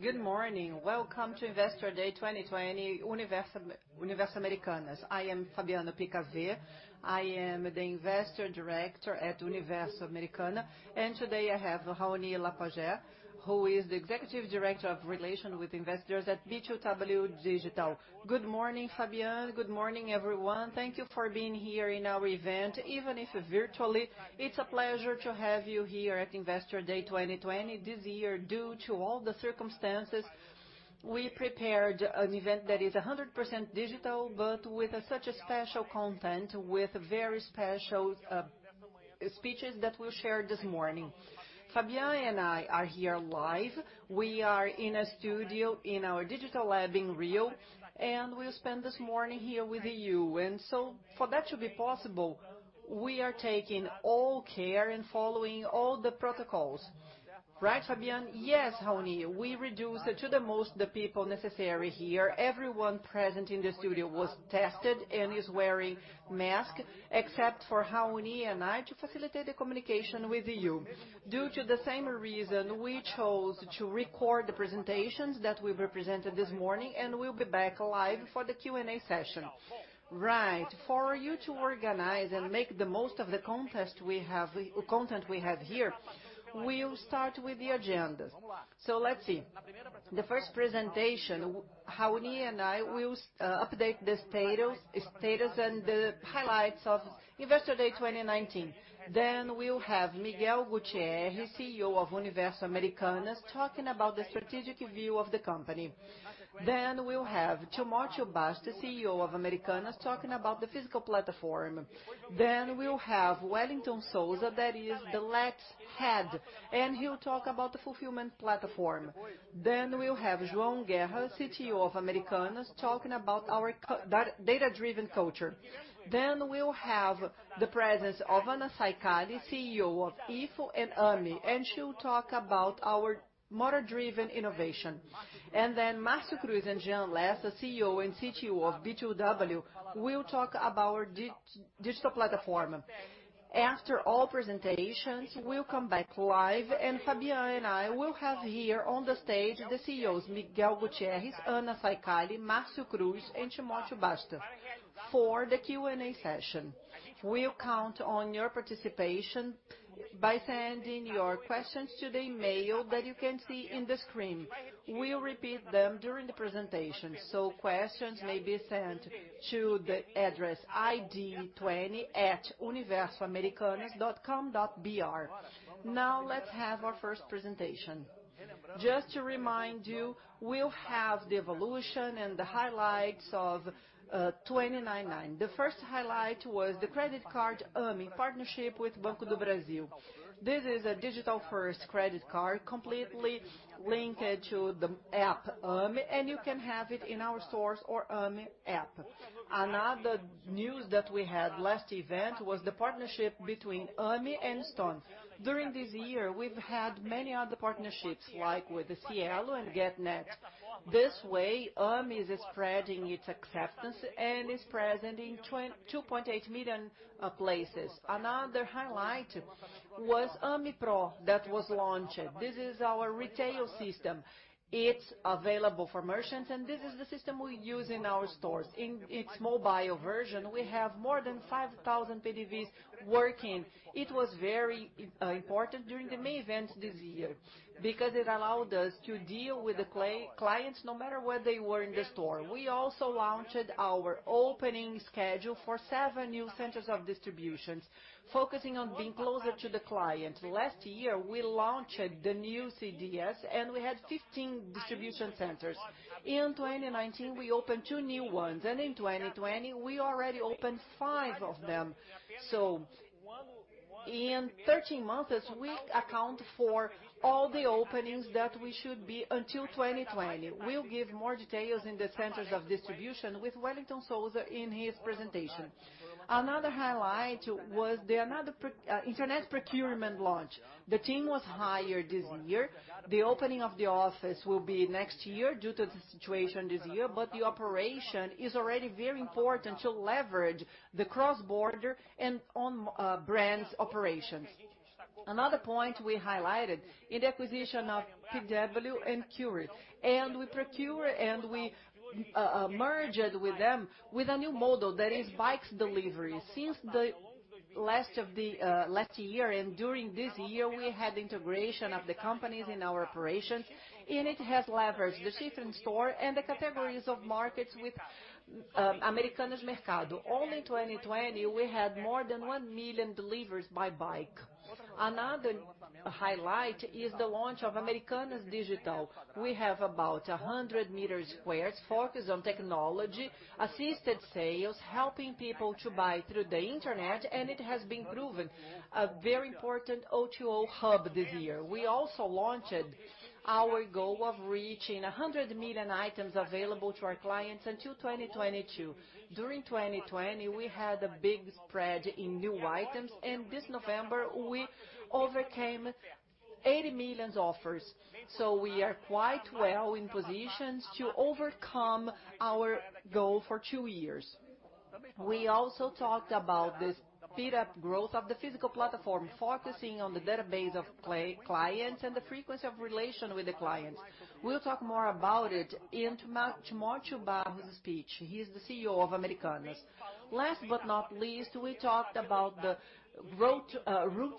Good morning. Welcome to Investor Day 2020, Universo Americanas. I am Fabien Picavet. I am the Investor Director at Universo Americanas, and today I have Raoni Lapagesse, who is the Executive Director of Investor Relations at B2W Digital. Good morning, Fabien. Good morning, everyone. Thank you for being here in our event. Even if virtually, it's a pleasure to have you here at Investor Day 2020. This year, due to all the circumstances, we prepared an event that is 100% digital, with such a special content, with very special speeches that we'll share this morning. Fabien and I are here live. We are in a studio in our digital lab in Rio, and we'll spend this morning here with you. For that to be possible, we are taking all care and following all the protocols. Right, Fabien? Yes, Raoni. We reduced to the most the people necessary here. Everyone present in the studio was tested and is wearing mask except for Raoni and I, to facilitate the communication with you. Due to the same reason, we chose to record the presentations that will be presented this morning, and we'll be back live for the Q&A session. Right. For you to organize and make the most of the content we have here, we'll start with the agenda. Let's see. The first presentation, Raoni and I will update the status and the highlights of Investor Day 2019. We'll have Miguel Gutierrez, CEO of Universo Americanas, talking about the strategic view of the company. We'll have Timotheo Barros, CEO of Americanas, talking about the physical platform. We'll have Wellington Souza, that is the Let's head, and he'll talk about the fulfillment platform. We'll have João Guerra, CTO of Americanas, talking about our data-driven culture. We'll have the presence of Anna Saicali, CEO of IF and Ame, and she will talk about our model-driven innovation. Then Marcio Cruz and Jean Lessa, the CEO and CTO of B2W, will talk about our digital platform. After all presentations, we'll come back live and Fabien and I will have here on the stage the CEOs, Miguel Gutierrez, Anna Saicali, Marcio Cruz and Timotheo Barros for the Q&A session. We'll count on your participation by sending your questions to the email that you can see on the screen. We'll repeat them during the presentation. Questions may be sent to the address id20@universoamericanas.com.br. Let's have our first presentation. Just to remind you, we'll have the evolution and the highlights of 2019. The first highlight was the credit card, Ame, partnership with Banco do Brasil. This is a digital first credit card, completely linked to the app, Ame, and you can have it in our stores or Ame app. Another news that we had last event was the partnership between Ame and Stone. During this year, we've had many other partnerships like with the Cielo and Getnet. This way, Ame is spreading its acceptance and is present in 2.8 million places. Another highlight was Ame Pro that was launched. This is our retail system. It's available for merchants, and this is the system we use in our stores. In its mobile version, we have more than 5,000 PDVs working. It was very important during the main event this year because it allowed us to deal with the clients no matter where they were in the store. We also launched our opening schedule for seven new centers of distributions, focusing on being closer to the client. Last year, we launched the new CDs, and we had 15 distribution centers. In 2019, we opened two new ones, and in 2020, we already opened five of them. In 13 months, we account for all the openings that we should be until 2020. We'll give more details in the centers of distribution with Wellington Souza in his presentation. Another highlight was the internet procurement launch. The team was hired this year. The opening of the office will be next year due to the situation this year, but the operation is already very important to leverage the cross-border and on brands operations. Another point we highlighted in the acquisition of Pedala and Courrieros. We procure and we merged with them with a new model that is bikes delivery. Since the last year and during this year, we had integration of the companies in our operations. It has leveraged the ship from store and the categories of markets with Americanas Mercado. Only in 2020, we had more than 1 million deliveries by bike. Another highlight is the launch of Americanas Digital. We have about 100 square meters focused on technology, assisted sales, helping people to buy through the internet. It has been proven a very important O2O hub this year. We also launched our goal of reaching 100 million items available to our clients until 2022. During 2020, we had a big spread in new items. This November, we overcame 80 million offers. We are quite well in positions to overcome our goal for two years. We also talked about the speed-up growth of the physical platform, focusing on the database of clients and the frequency of relation with the clients. We'll talk more about it in Timotheo Barros's speech. He's the CEO of Americanas. We talked about the route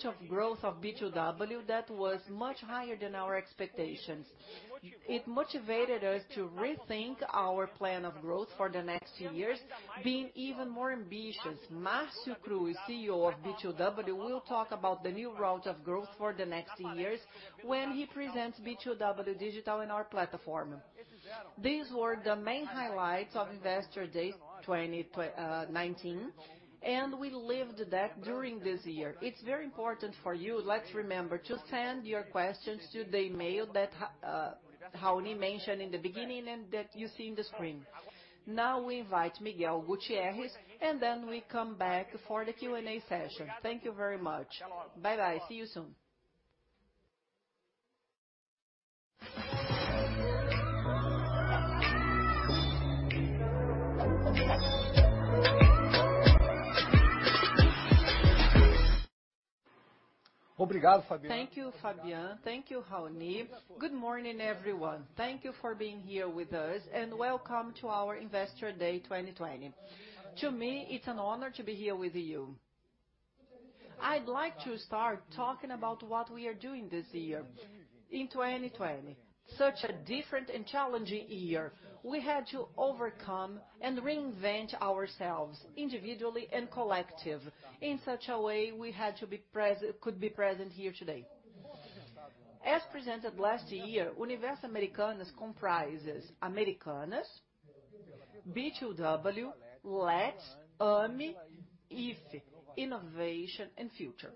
of growth of B2W that was much higher than our expectations. It motivated us to rethink our plan of growth for the next years, being even more ambitious. Marcio Cruz, CEO of B2W, will talk about the new route of growth for the next years when he presents B2W Digital in our platform. These were the main highlights of Investor Day 2019. We lived that during this year. It's very important for you, let's remember to send your questions to the email that Raoni mentioned in the beginning and that you see on the screen. We invite Miguel Gutierrez, and then we come back for the Q&A session. Thank you very much. Bye-bye. See you soon. Thank you, Fabien. Thank you, Raoni. Good morning, everyone. Thank you for being here with us, and welcome to our Investor Day 2020. To me, it's an honor to be here with you. I'd like to start talking about what we are doing this year, in 2020. Such a different and challenging year. We had to overcome and reinvent ourselves individually and collective, in such a way we could be present here today. As presented last year, Universo Americanas comprises Americanas, B2W, Let's, Ame, IF – Innovation and Future.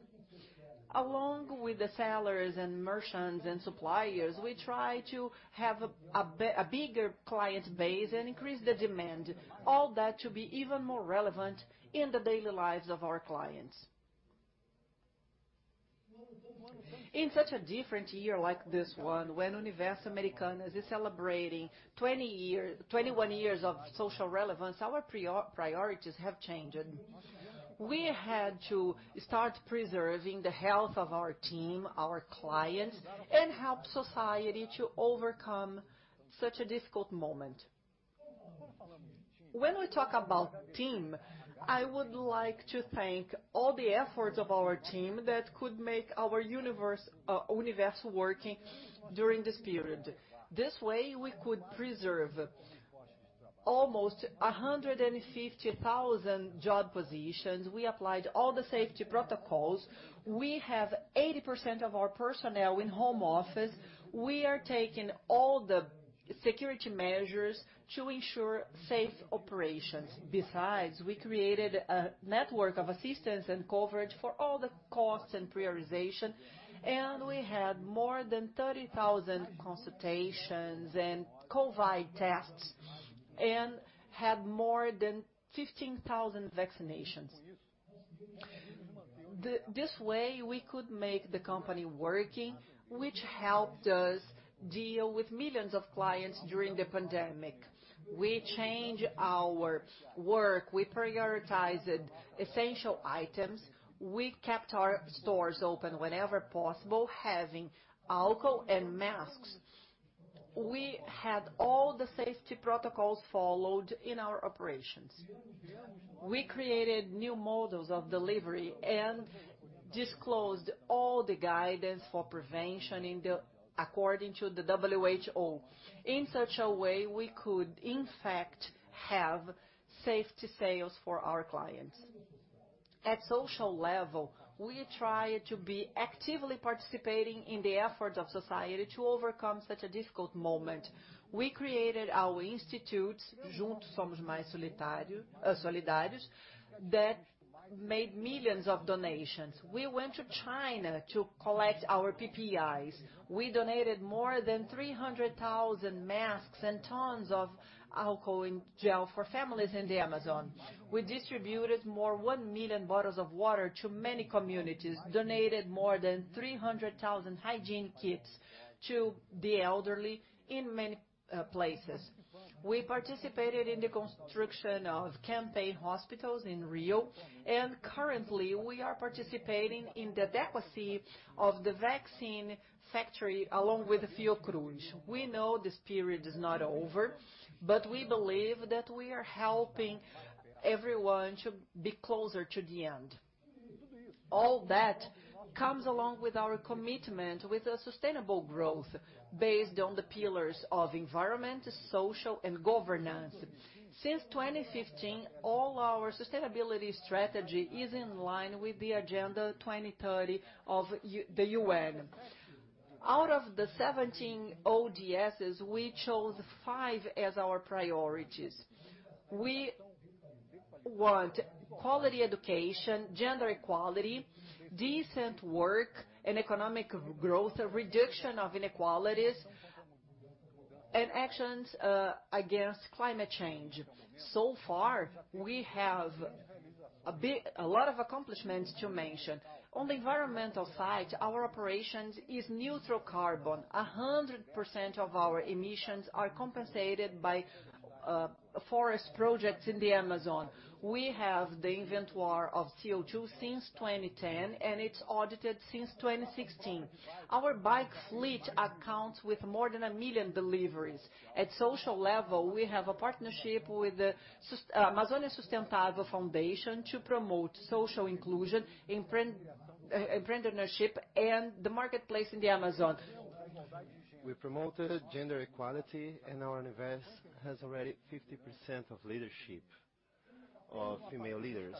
Along with the sellers and merchants and suppliers, we try to have a bigger client base and increase the demand, all that to be even more relevant in the daily lives of our clients. In such a different year like this one, when Universo Americanas is celebrating 21 years of social relevance, our priorities have changed. We had to start preserving the health of our team, our clients, and help society to overcome such a difficult moment. When we talk about team, I would like to thank all the efforts of our team that could make our Universo working during this period. This way, we could preserve almost 15,000 job positions. We applied all the safety protocols. We have 80% of our personnel in home office. We are taking all the security measures to ensure safe operations. Besides, we created a network of assistance and coverage for all the costs and prioritization, and we had more than 30,000 consultations and COVID tests and had more than 15,000 vaccinations. This way, we could make the company working, which helped us deal with millions of clients during the pandemic. We changed our work. We prioritized essential items. We kept our stores open whenever possible, having alcohol and masks. We had all the safety protocols followed in our operations. We created new models of delivery and disclosed all the guidance for prevention according to the WHO. In such a way we could in fact have safety sales for our clients. At social level, we try to be actively participating in the efforts of society to overcome such a difficult moment. We created our institutes, Juntos Somos Mais Solidários, that made millions of donations. We went to China to collect our PPEs. We donated more than 300,000 masks and tons of alcohol and gel for families in the Amazon. We distributed more 1 million bottles of water to many communities, donated more than 300,000 hygiene kits to the elderly in many places. We participated in the construction of campaign hospitals in Rio. Currently, we are participating in the adequacy of the vaccine factory along with Fiocruz. We know this period is not over. We believe that we are helping everyone to be closer to the end. All that comes along with our commitment with a sustainable growth based on the pillars of environment, social and governance. Since 2015, all our sustainability strategy is in line with the Agenda 2030 of the UN. Out of the 17 ODS, we chose five as our priorities. We want quality education, gender equality, decent work and economic growth, a reduction of inequalities, and actions against climate change. We have a lot of accomplishments to mention. On the environmental side, our operations is neutral carbon. 100% of our emissions are compensated by forest projects in the Amazon. We have the inventory of CO2 since 2010, and it's audited since 2016. Our bike fleet accounts with more than 1 million deliveries. At social level, we have a partnership with the Fundação Amazonas Sustentável to promote social inclusion, entrepreneurship, and the marketplace in the Amazon. We promoted gender equality, and our invest has already 50% of leadership of female leaders.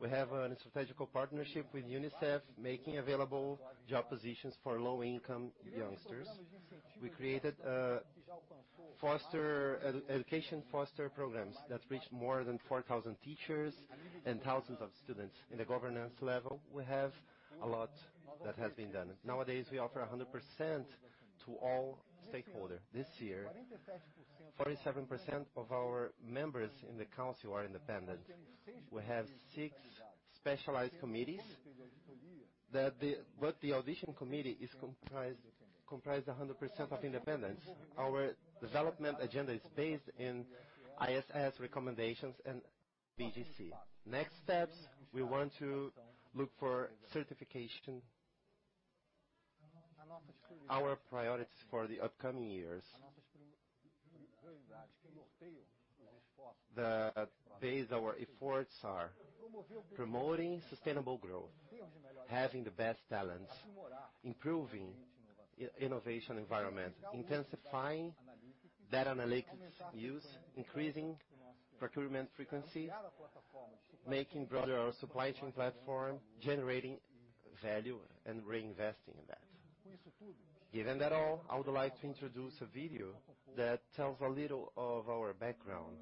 We have a strategical partnership with UNICEF, making available job positions for low income youngsters. We created education foster programs that reached more than 4,000 teachers and thousands of students. In the governance level, we have a lot that has been done. Nowadays, we offer 100% to all stakeholder. This year, 47% of our members in the council are independent. We have six specialized committees that the audit committee is comprised 100% of independents. Our development agenda is based in ISS recommendations and IBGC. Next steps, we want to look for certification. Our priorities for the upcoming years. The base our efforts are promoting sustainable growth, having the best talents, improving innovation environment, intensifying data analytics use, increasing procurement frequency, making broader our supply chain platform, generating value, and reinvesting in that. Given that all, I would like to introduce a video that tells a little of our background.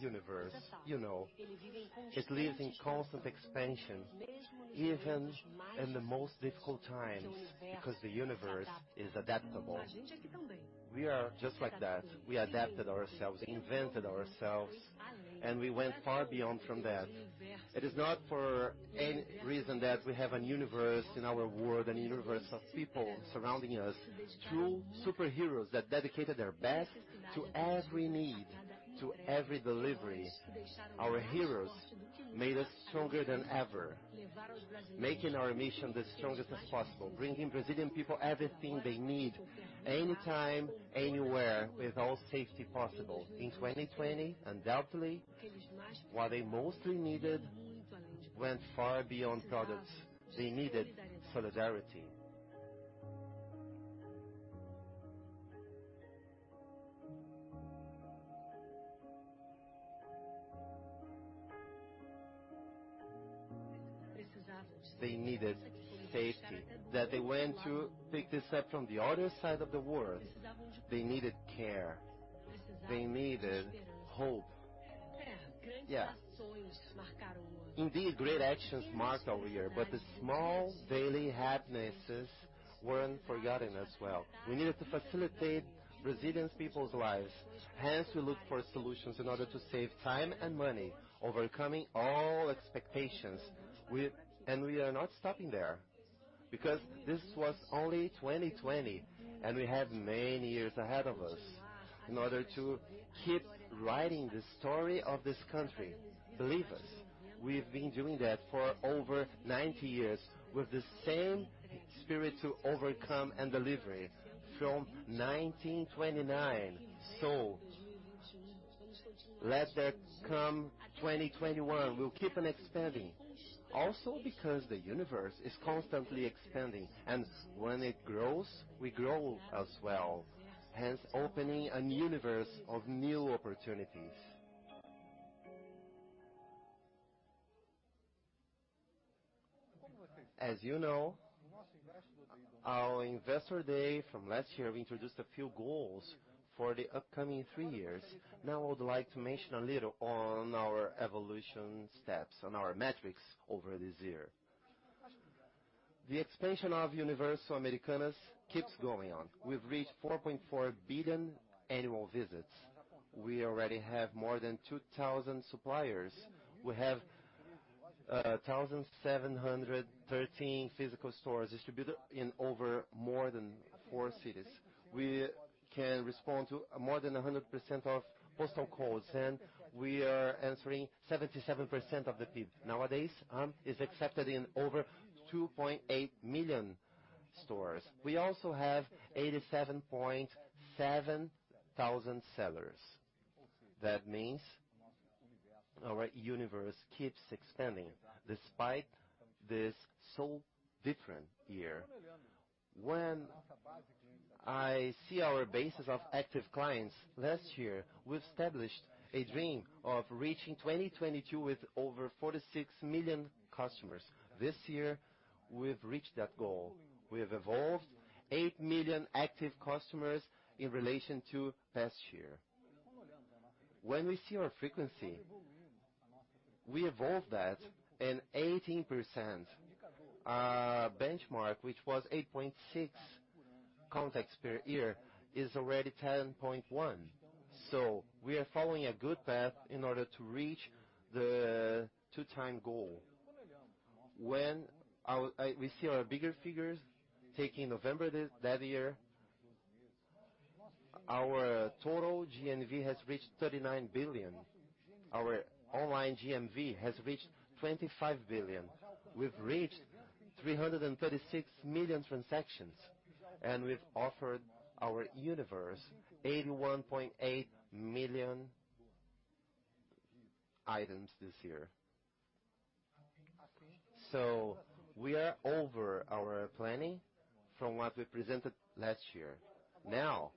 Universe. You know. It lives in constant expansion, even in the most difficult times, because the universe is adaptable. We are just like that. We adapted ourselves, invented ourselves, and we went far beyond from that. It is not for any reason that we have a universe in our world and a universe of people surrounding us, true superheroes that dedicated their best to every need, to every delivery. Our heroes made us stronger than ever, making our mission the strongest as possible, bringing Brazilian people everything they need, anytime, anywhere, with all safety possible. In 2020, undoubtedly, what they mostly needed went far beyond products. They needed solidarity. They needed safety that they went to pick this up from the other side of the world. They needed care. They needed hope. Indeed, great actions marked our year, but the small daily happinesses weren't forgotten as well. We needed to facilitate Brazilian people's lives, hence we looked for solutions in order to save time and money, overcoming all expectations. We are not stopping there, because this was only 2020, and we have many years ahead of us in order to keep writing the story of this country. Believe us, we've been doing that for over 90 years with the same spirit to overcome and deliver from 1929. Let there come 2021. We'll keep on expanding. Also because the universe is constantly expanding, and when it grows, we grow as well, hence opening a universe of new opportunities. As you know, our Investor Day 2020, we introduced a few goals for the upcoming three years. Now I would like to mention a little on our evolution steps and our metrics over this year. The expansion of Universo Americanas keeps going on. We've reached 4.4 billion annual visits. We already have more than 2,000 suppliers. We have 1,713 physical stores distributed in over more than four cities. We can respond to more than 100% of postal codes, and we are answering 77% of the PIB. Nowadays, Ame is accepted in over 2.8 million stores. We also have 87.7 thousand sellers. That means our universe keeps expanding despite this so different year. When I see our bases of active clients, last year, we established a dream of reaching 2022 with over 46 million customers. This year, we've reached that goal. We have evolved eight million active customers in relation to past year. When we see our frequency, we evolved that in 18%, a benchmark which was 8.6 contacts per year is already 10.1. We are following a good path in order to reach the two-time goal. When we see our bigger figures, taking November that year, our total GMV has reached 39 billion. Our online GMV has reached 25 billion. We've reached 336 million transactions, and we've offered our universe 81.8 million items this year. We are over our planning from what we presented last year. Now,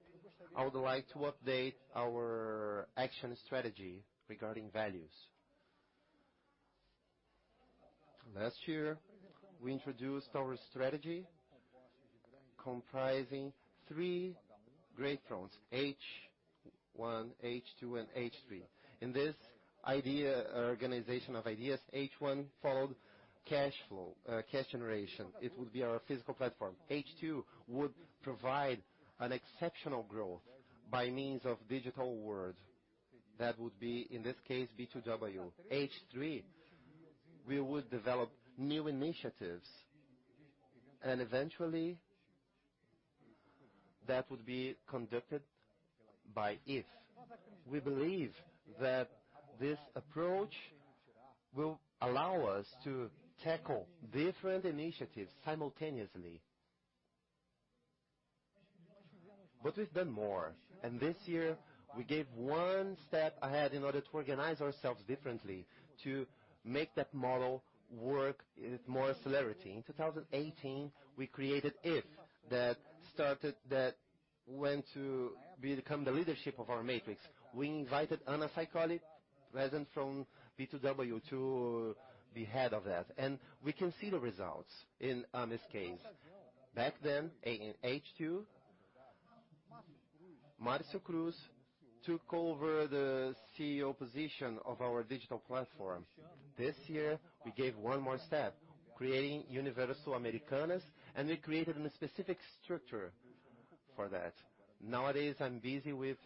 I would like to update our action strategy regarding values. Last year, we introduced our strategy comprising three great thrusts: H1, H2, and H3. In this organization of ideas, H1 followed cash flow, cash generation. It would be our physical platform. H2 would provide an exceptional growth by means of digital world. That would be, in this case, B2W. H3, we would develop new initiatives, eventually, that would be conducted by IF. We believe that this approach will allow us to tackle different initiatives simultaneously. We've done more, this year, we gave one step ahead in order to organize ourselves differently to make that model work with more celerity. In 2018, we created IF that went to become the leadership of our matrix. We invited Anna Saicali, present from B2W to be head of that, we can see the results in this case. Back then, in H2, Marcio Cruz took over the CEO position of our digital platform. This year, we gave one more step, creating Universo Americanas, we created a specific structure for that. Nowadays, I'm busy with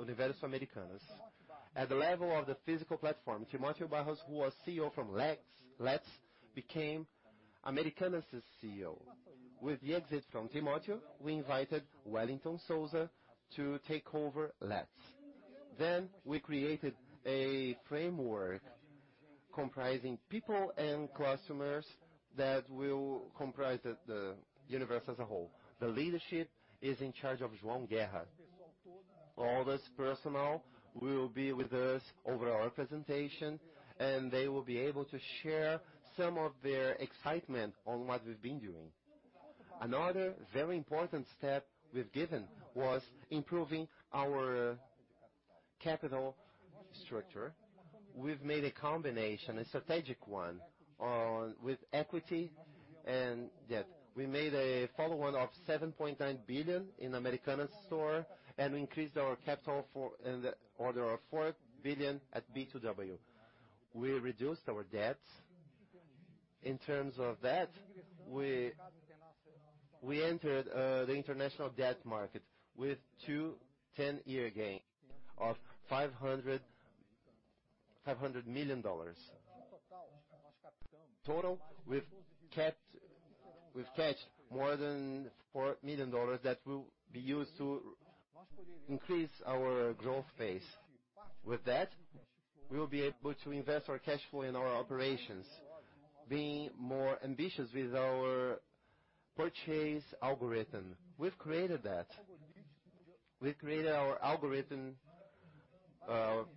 Universo Americanas. At the level of the physical platform, Timotheo Barros, who was CEO from Let's, became Americanas' CEO. With the exit from Timotheo, we invited Wellington Souza to take over Let's. We created a framework comprising people and customers that will comprise the universe as a whole. The leadership is in charge of João Guerra. All this personnel will be with us over our presentation, and they will be able to share some of their excitement on what we've been doing. Another very important step we've given was improving our capital structure. We've made a combination, a strategic one, with equity and debt. We made a follow-on of 7.9 billion in Americanas store and increased our capital in the order of 4 billion at B2W. We reduced our debt. In terms of that, we entered the international debt market with two 10-year gain of $500 million. Total, we've caught more than $4 million that will be used to increase our growth phase. With that, we will be able to invest our cash flow in our operations, being more ambitious with our purchase algorithm. We've created that. We've created our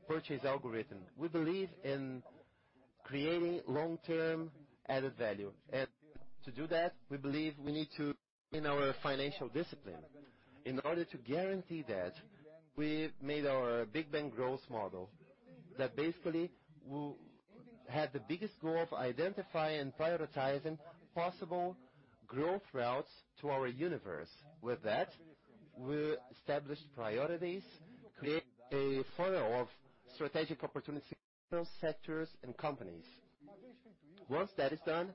purchase algorithm. We believe in creating long-term added value. To do that, we believe we need to in our financial discipline. In order to guarantee that, we made our big bang growth model that basically will have the biggest goal of identifying and prioritizing possible growth routes to our universe. With that, we established priorities, create a funnel of strategic opportunities, sectors, and companies. Once that is done,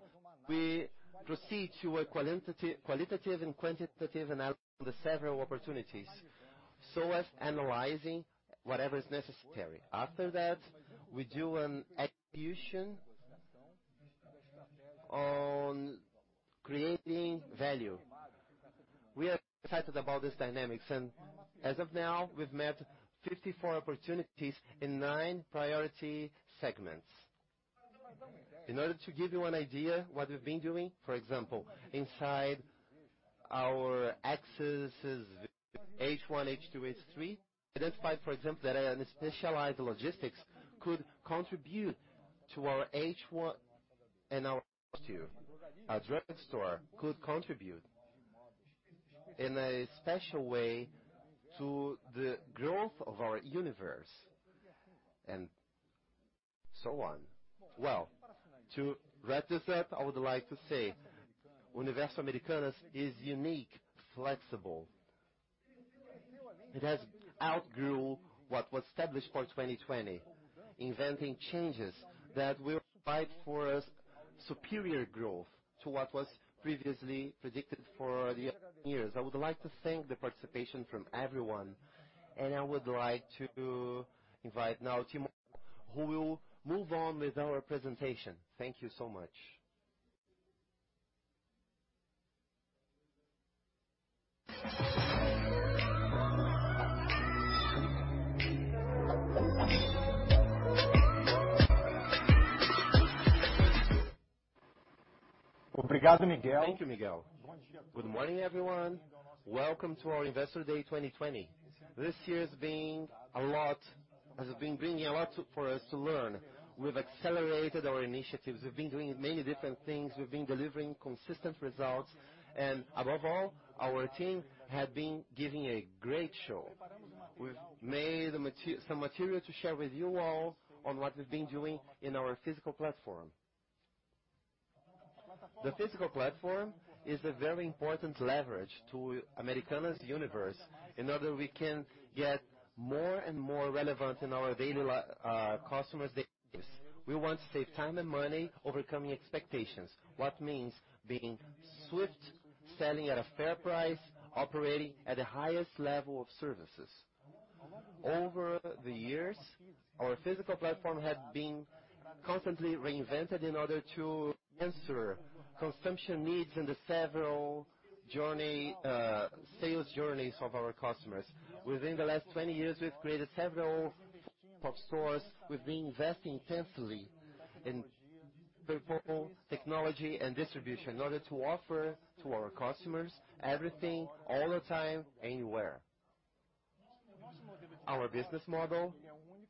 we proceed to a qualitative and quantitative analysis of the several opportunities, so as analyzing whatever is necessary. After that, we do an execution on creating value. We are excited about these dynamics. As of now, we've met 54 opportunities in nine priority segments. In order to give you an idea what we've been doing, for example, inside our axes H1, H2, H3, identified, for example, that a specialized logistics could contribute to our H1 and our H2. A drug store could contribute in a special way to the growth of our universe, and so on. Well, to wrap this up, I would like to say, Universo Americanas is unique, flexible. It has outgrew what was established for 2020, inventing changes that will fight for a superior growth to what was previously predicted for the upcoming years. I would like to thank the participation from everyone, and I would like to invite now Timo, who will move on with our presentation. Thank you so much. Thank you, Miguel. Good morning, everyone. Welcome to our Investor Day 2020. This year has been bringing a lot for us to learn. We've accelerated our initiatives. We've been doing many different things. We've been delivering consistent results, and above all, our team had been giving a great show. We've made some material to share with you all on what we've been doing in our physical platform. The physical platform is a very important leverage to Universo Americanas, in order we can get more and more relevant in our daily customers' lives. We want to save time and money overcoming expectations. What means being swift, selling at a fair price, operating at the highest level of services. Over the years, our physical platform had been constantly reinvented in order to answer consumption needs in the several sales journeys of our customers. Within the last 20 years, we've created several pop stores. We've been investing intensely in people, technology, and distribution in order to offer to our customers everything, all the time, anywhere. Our business model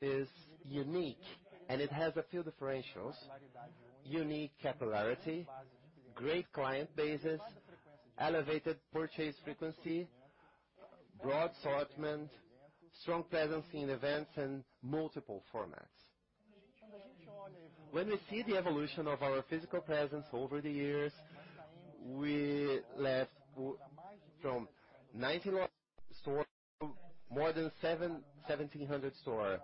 is unique, and it has a few differentials: unique capillarity, great client bases, elevated purchase frequency, broad assortment, strong presence in events, and multiple formats. When we see the evolution of our physical presence over the years, we left from 19 stores to more than 1,700 stores.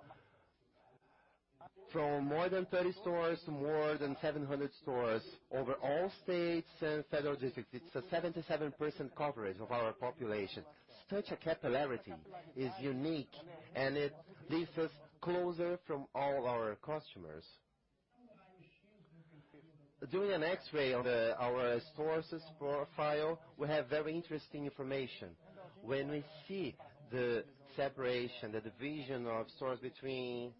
From more than 30 stores to more than 700 stores over all states and federal districts. It's a 77% coverage of our population. Such a capillarity is unique, and it leaves us closer from all our customers. Doing an X-ray of our stores' profile, we have very interesting information. When we see the separation, the division of stores between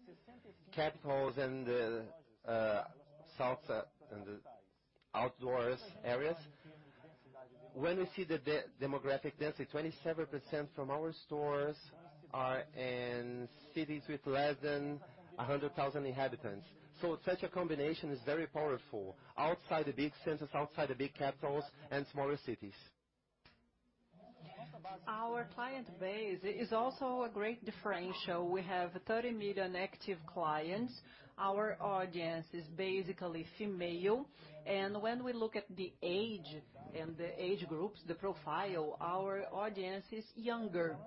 capitals and the outdoors areas. When we see the demographic density, 27% from our stores are in cities with less than 100,000 inhabitants. Such a combination is very powerful. Outside the big centers, outside the big capitals and smaller cities. Our client base is also a great differential. We have 30 million active clients. Our audience is basically female, and when we look at the age and the age groups, the profile, our audience is younger.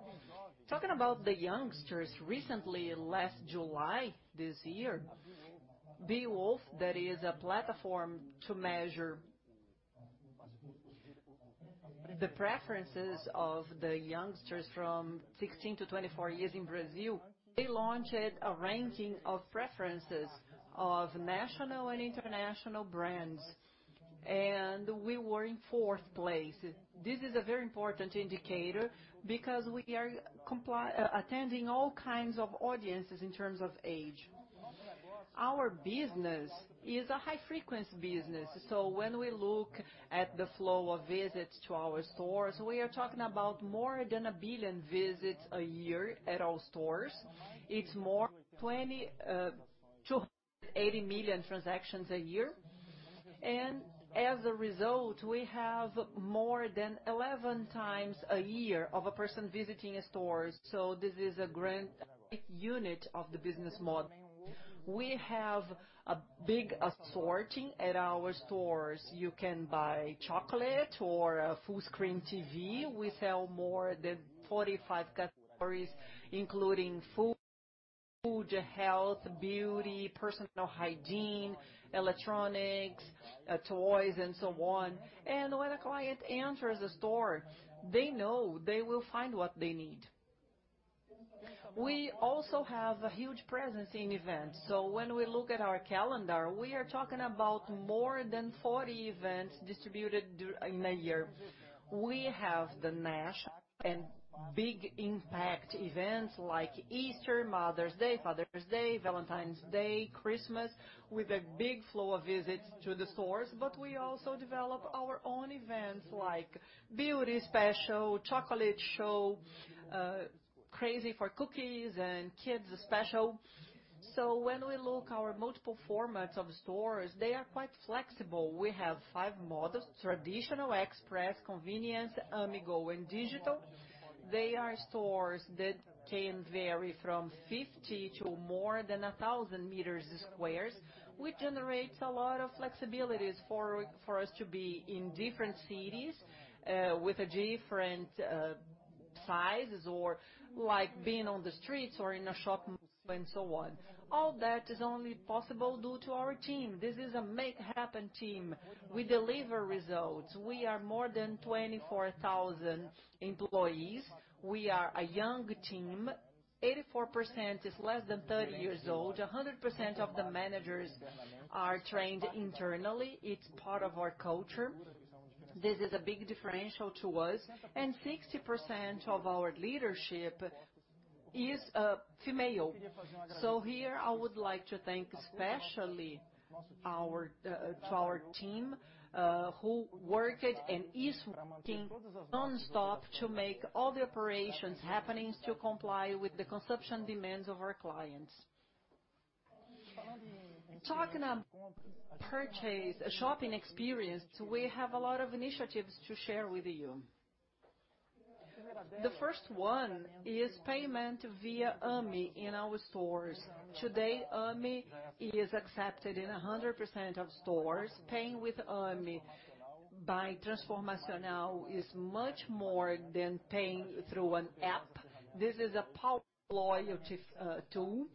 Talking about the youngsters, recently last July this year, Beewolf, that is a platform to measure the preferences of the youngsters from 16 to 24 years in Brazil. They launched a ranking of preferences of national and international brands. We were in fourth place. This is a very important indicator because we are attending all kinds of audiences in terms of age. Our business is a high-frequency business. When we look at the flow of visits to our stores, we are talking about more than a billion visits a year at our stores. It's more than 280 million transactions a year and as a result, we have more than 11 times a year of a person visiting a store. This is a great unit of the business model. We have a big assortment at our stores. You can buy chocolate or a full screen TV. We sell more than 45 categories, including food, health, beauty, personal hygiene, electronics, toys, and so on. When a client enters a store, they know they will find what they need. We also have a huge presence in events. When we look at our calendar, we are talking about more than 40 events distributed in a year. We have the national and big impact events like Easter, Mother's Day, Father's Day, Valentine's Day, Christmas, with a big flow of visits to the stores. We also develop our own events like Beauty Special, Chocolate Show, Crazy for Cookies, and Kids Special. When we look our multiple formats of stores, they are quite flexible. We have five models: traditional, express, convenience, Ame Go, and digital. They can vary from 50 to more than 1,000 square meters, which generates a lot of flexibilities for us to be in different cities with different sizes or being on the streets or in a shopping mall and so on. All that is only possible due to our team. This is a make-happen team. We deliver results. We are more than 24,000 employees. We are a young team. 84% is less than 30 years old. 100% of the managers are trained internally. It's part of our culture. This is a big differential to us, and 60% of our leadership is female. Here I would like to thank especially our team who worked and is working nonstop to make all the operations happening to comply with the consumption demands of our clients. Talking of purchase, shopping experience, we have a lot of initiatives to share with you. The first one is payment via Ame in our stores. Today, Ame is accepted in 100% of stores. Paying with Ame by transformational is much more than paying through an app. This is a power loyalty tool.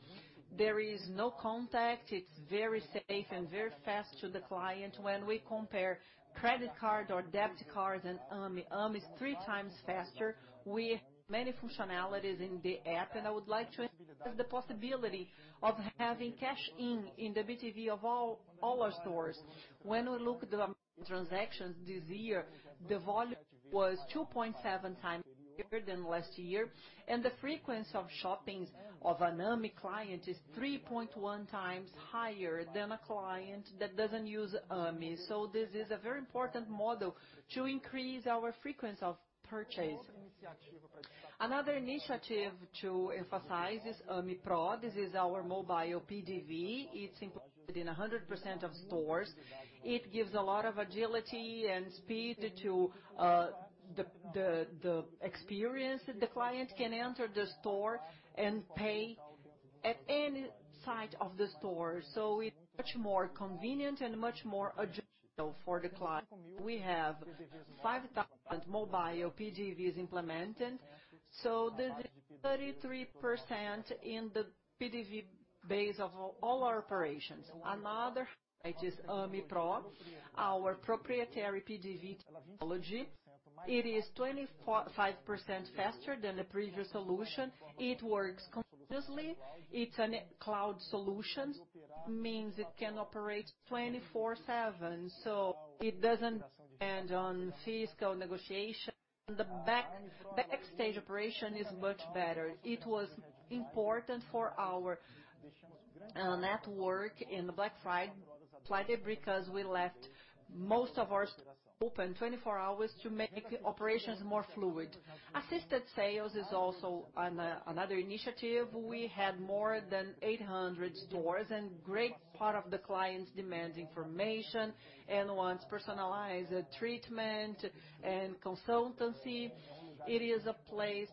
There is no contact. It's very safe and very fast to the client. When we compare credit card or debit cards and Ame is three times faster. We have many functionalities in the app, and I would like to emphasize the possibility of having cash-in in the PDV of all our stores. When we look at the Ame transactions this year, the volume was 2.7 times higher than last year, and the frequency of shoppings of an Ame client is 3.1 times higher than a client that doesn't use Ame. This is a very important model to increase our frequency of purchase. Another initiative to emphasize is Ame Pro. This is our mobile PDV. It's implemented in 100% of stores. It gives a lot of agility and speed to the experience. The client can enter the store and pay at any site of the store. It's much more convenient and much more agile for the client. We have 5,000 mobile PDVs implemented, so this is 33% in the PDV base of all our operations. Another highlight is Ame Pro, our proprietary PDV technology. It is 25% faster than the previous solution. It works continuously. It's a net cloud solution, means it can operate 24/7, so it doesn't end on fiscal negotiation. The backstage operation is much better. It was important for our network in Black Friday because we left most of ours open 24 hours to make the operations more fluid. Assisted sales is also another initiative. We had more than 800 stores and great part of the clients demand information and wants personalized treatment and consultancy. It is a place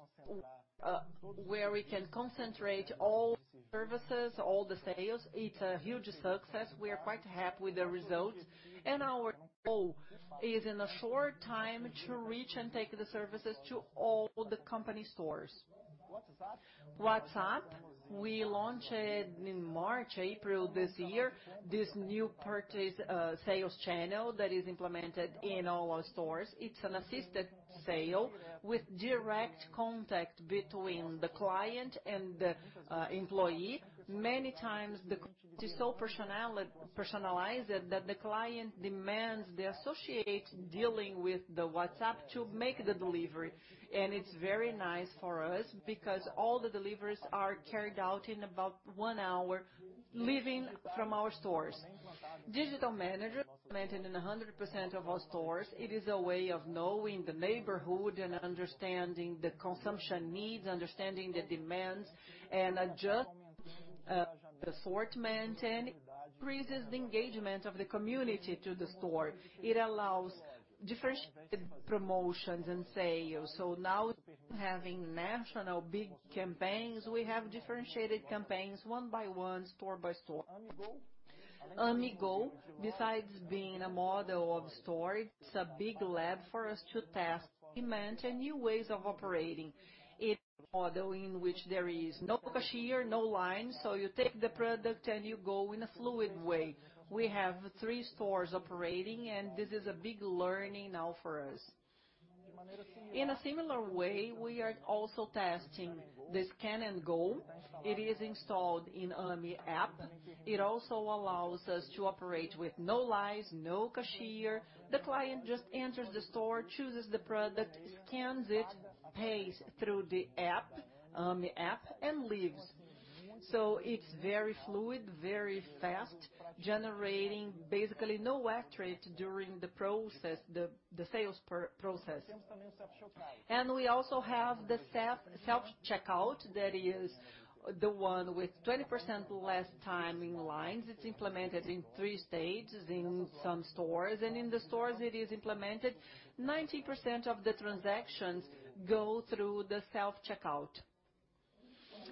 where we can concentrate all services, all the sales. It's a huge success. We are quite happy with the results and our goal is in a short time to reach and take the services to all the company stores. WhatsApp, we launched it in March, April this year. This new purchase sales channel that is implemented in all our stores. It's an assisted sale with direct contact between the client and the employee. Many times the contact is so personalized that the client demands the associate dealing with the WhatsApp to make the delivery. It's very nice for us because all the deliveries are carried out in about one hour, leaving from our stores. Digital manager implemented in 100% of our stores. It is a way of knowing the neighborhood and understanding the consumption needs, understanding the demands, and adjust the assortment and increases the engagement of the community to the store. It allows differentiated promotions and sales. Now instead of having national big campaigns, we have differentiated campaigns one by one, store by store. Ame Go, besides being a model of store, it's a big lab for us to test demand and new ways of operating. It's a model in which there is no cashier, no lines. You take the product and you go in a fluid way. We have three stores operating, and this is a big learning now for us. In a similar way, we are also testing the Scan and Go. It is installed in Ame app. It also allows us to operate with no lines, no cashier. The client just enters the store, chooses the product, scans it, pays through the Ame app, and leaves. It's very fluid, very fast, generating basically no wastage during the sales process. We also have the self-checkout. That is the one with 20% less time in lines. It's implemented in three states in some stores. In the stores it is implemented, 90% of the transactions go through the self-checkout.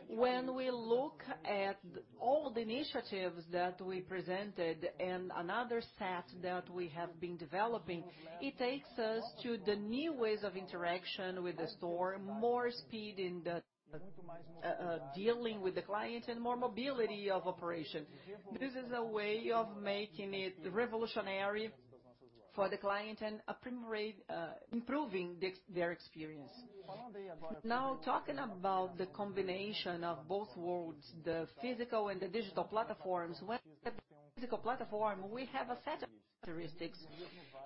When we look at all the initiatives that we presented and another set that we have been developing, it takes us to the new ways of interaction with the store, more speed in dealing with the client, and more mobility of operation. This is a way of making it revolutionary for the client and improving their experience. Now, talking about the combination of both worlds, the physical and the digital platforms. When we have a physical platform, we have a set of characteristics,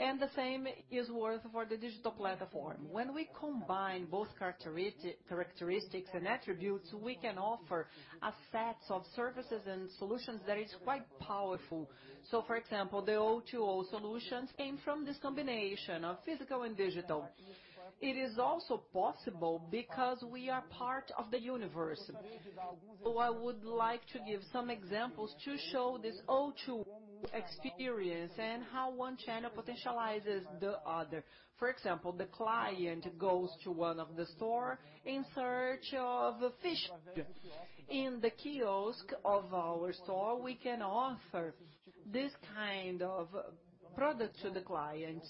and the same is worth for the digital platform. When we combine both characteristics and attributes, we can offer a set of services and solutions that is quite powerful. For example, the O2O solutions came from this combination of physical and digital. It is also possible because we are part of the Universo. I would like to give some examples to show this O2O experience and how one channel potentializes the other. For example, the client goes to one of the store in search of a fish. In the kiosk of our store, we can offer this kind of product to the client.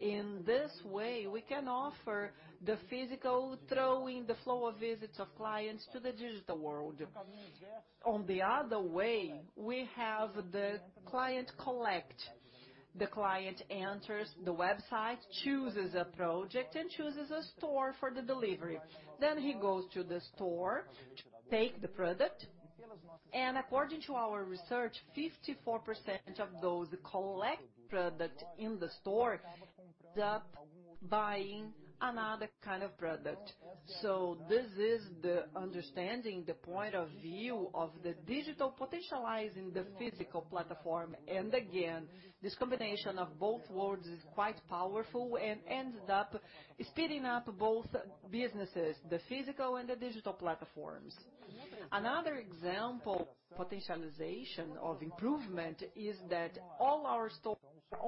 In this way, we can offer the physical, throwing the flow of visits of clients to the digital world. On the other way, we have the click and collect. The client enters the website, chooses a product, and chooses a store for the delivery. He goes to the store to take the product. According to our research, 54% of those who collect product in the store end up buying another kind of product. This is the understanding, the point of view of the digital potentializing the physical platform. Again, this combination of both worlds is quite powerful and ends up speeding up both businesses, the physical and the digital platforms. Another example of potentialization of improvement is that all our stores are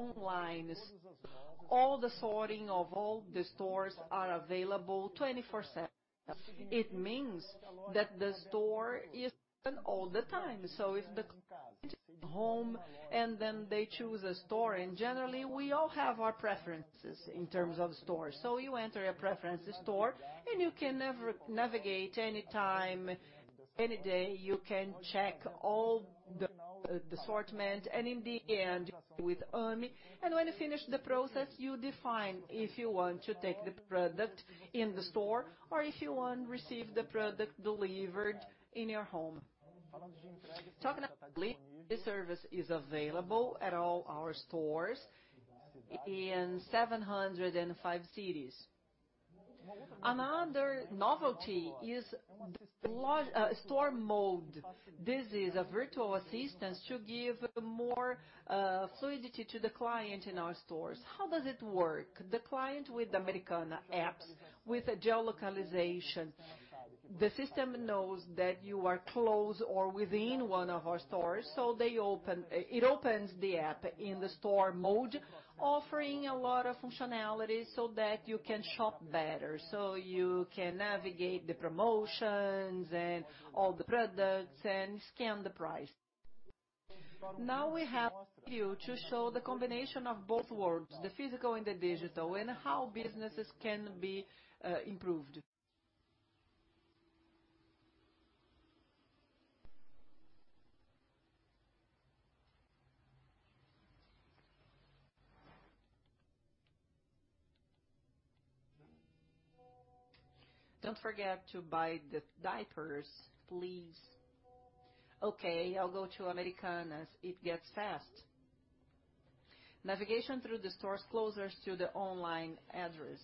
online. All the sorting of all the stores are available 24/7. It means that the store is open all the time. If the client is at home and then they choose a store, and generally we all have our preferences in terms of stores. You enter a preference store and you can navigate any time, any day. You can check all the assortment in the end with Ame. When you finish the process, you define if you want to take the product in the store or if you want to receive the product delivered in your home. Talking of delivery, this service is available at all our stores in 705 cities. Another novelty is Store Mode. This is a virtual assistant to give more fluidity to the client in our stores. How does it work? The client with the Americanas app, with a geolocation. The system knows that you are close or within one of our stores, it opens the app in the Store Mode, offering a lot of functionalities so that you can shop better. You can navigate the promotions and all the products and scan the price. Now we have you to show the combination of both worlds, the physical and the digital, and how businesses can be improved. "Don't forget to buy the diapers, please." "Okay, I'll go to Americanas, it gets fast." Navigation through the stores closer to the online address.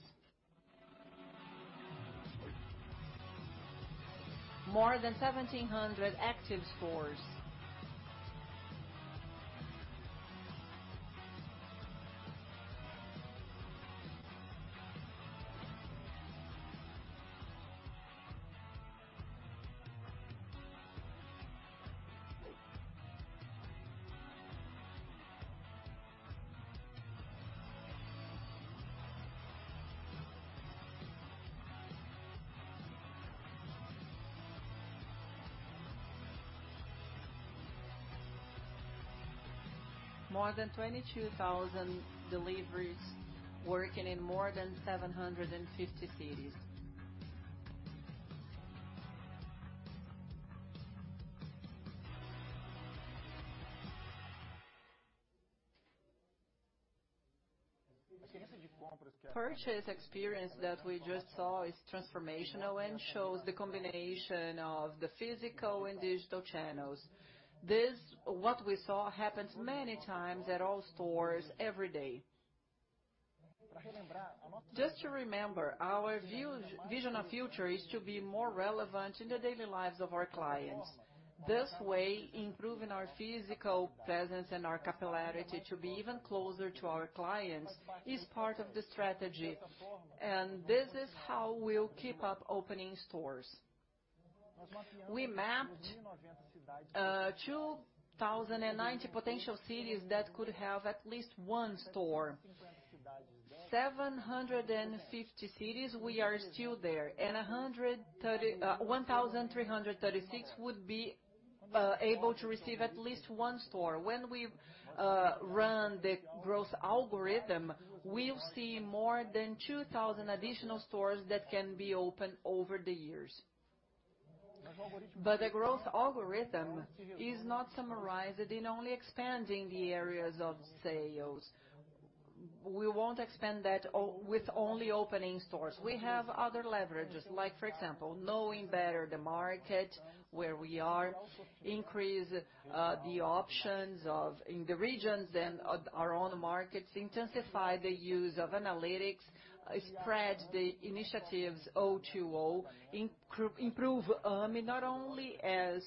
More than 1,700 active stores. More than 22,000 deliveries working in more than 750 cities. Purchase experience that we just saw is transformational and shows the combination of the physical and digital channels. This, what we saw happens many times at all stores every day. Just to remember, our vision of future is to be more relevant in the daily lives of our clients. This way, improving our physical presence and our capillarity to be even closer to our clients is part of the strategy, and this is how we'll keep up opening stores. We mapped 2,090 potential cities that could have at least one store. 750 cities, we are still there, and 1,336 would be able to receive at least one store. When we run the growth algorithm, we'll see more than 2,000 additional stores that can be opened over the years. The growth algorithm is not summarized in only expanding the areas of sales. We won't expand that with only opening stores. We have other leverages like, for example, knowing better the market where we are, increase the options in the regions and our own markets, intensify the use of analytics, spread the initiatives O2O, improve Ame not only as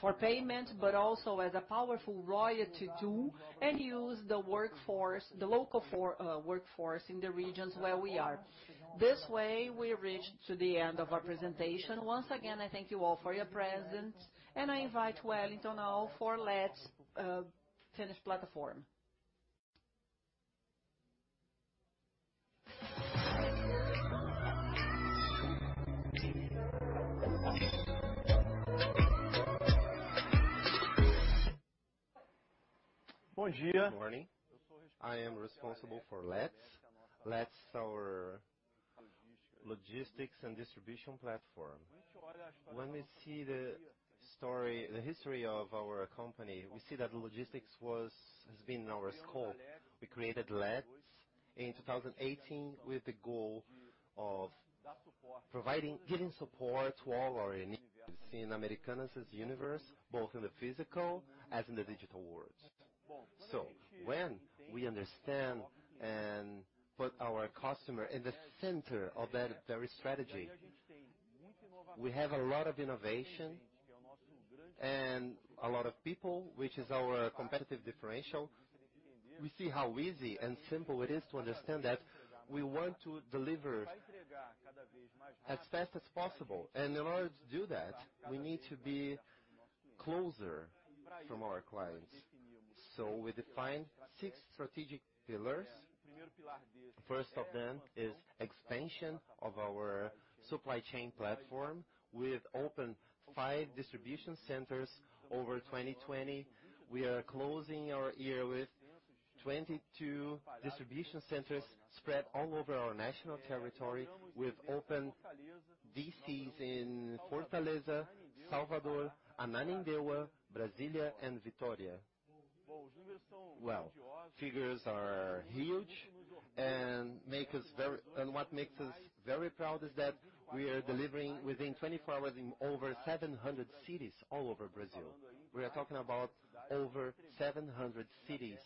for payment but also as a powerful loyalty tool, and use the local workforce in the regions where we are. This way, we reach to the end of our presentation. Once again, I thank you all for your presence, and I invite Wellington now for Let's finished platform. Good morning. I am responsible for Let's. Let's is our logistics and distribution platform. When we see the history of our company, we see that logistics has been in our scope. We created Let's in 2018 with the goal of giving support to all our initiatives in Americanas' Universe, both in the physical as in the digital world. When we understand and put our customer in the center of that very strategy, we have a lot of innovation and a lot of people, which is our competitive differential. We see how easy and simple it is to understand that we want to deliver as fast as possible, and in order to do that, we need to be closer from our clients. We defined six strategic pillars. First of them is expansion of our supply chain platform. We've opened five distribution centers over 2020. We are closing our year with 22 distribution centers spread all over our national territory. We've opened DCs in Fortaleza, Salvador, Ananindeua, Brasilia, and Vitória. Well, figures are huge and what makes us very proud is that we are delivering within 24 hours in over 700 cities all over Brazil. We are talking about over 700 cities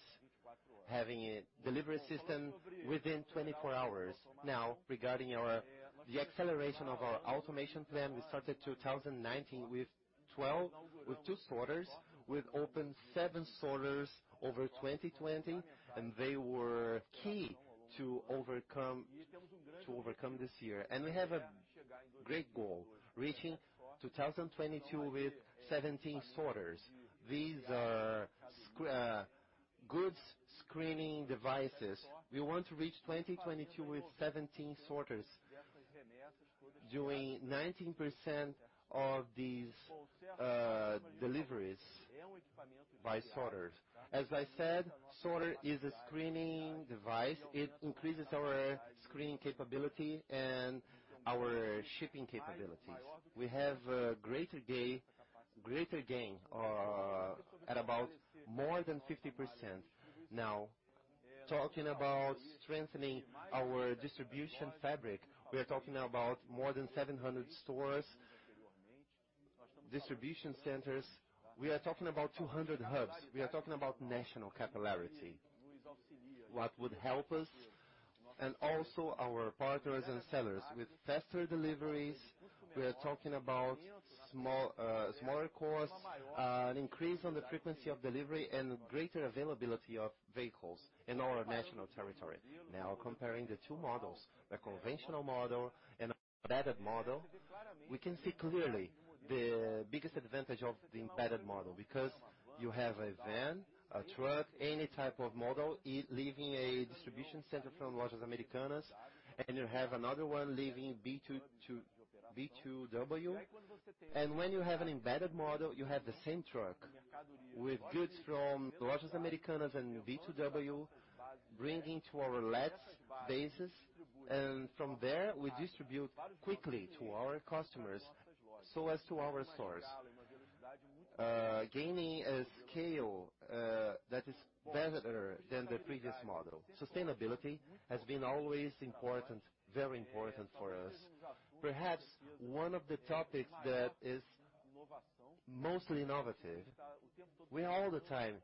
having a delivery system within 24 hours. Now, regarding the acceleration of our automation plan, we started 2019 with two sorters. We've opened seven sorters over 2020, and they were key to overcome this year. We have a great goal, reaching 2022 with 17 sorters. These are goods screening devices. We want to reach 2022 with 17 sorters, doing 90% of these deliveries by sorters. Sorter is a screening device. It increases our screening capability and our shipping capabilities. We have a greater gain at about more than 50%. Talking about strengthening our distribution fabric, we are talking about more than 700 stores, distribution centers. We are talking about 200 hubs. We are talking about national capillarity. What would help us and also our partners and sellers with faster deliveries, we are talking about smaller cost, an increase on the frequency of delivery, and greater availability of vehicles in our national territory. Comparing the two models, the conventional model and embedded model, we can see clearly the biggest advantage of the embedded model, because you have a van, a truck, any type of model, leaving a distribution center from Lojas Americanas, and you have another one leaving B2W. When you have an embedded model, you have the same truck with goods from Lojas Americanas and B2W bringing to our Let's bases. From there, we distribute quickly to our customers so as to our stores. Gaining a scale that is better than the previous model. Sustainability has been always very important for us. Perhaps one of the topics that is mostly innovative, we are all the time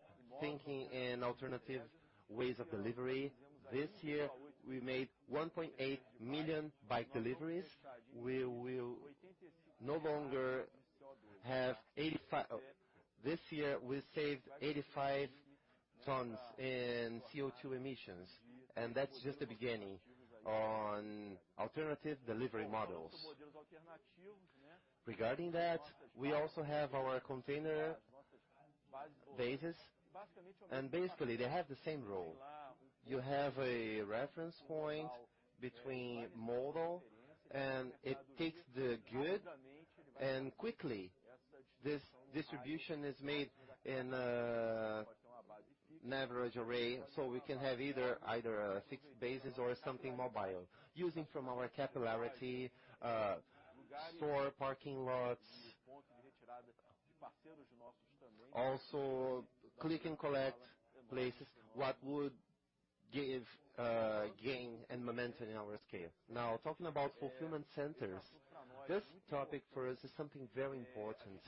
thinking in alternative ways of delivery. This year, we made 1.8 million bike deliveries. This year, we saved 85 tons in CO2 emissions. That's just the beginning on alternative delivery models. Regarding that, we also have our container bases. Basically they have the same role. You have a reference point between model. It takes the good and quickly. This distribution is made in an average array. We can have either a fixed basis or something mobile, using from our capillarity store parking lots. Also click and collect places, what would give gain and momentum in our scale. Now talking about fulfillment centers. This topic for us is something very important.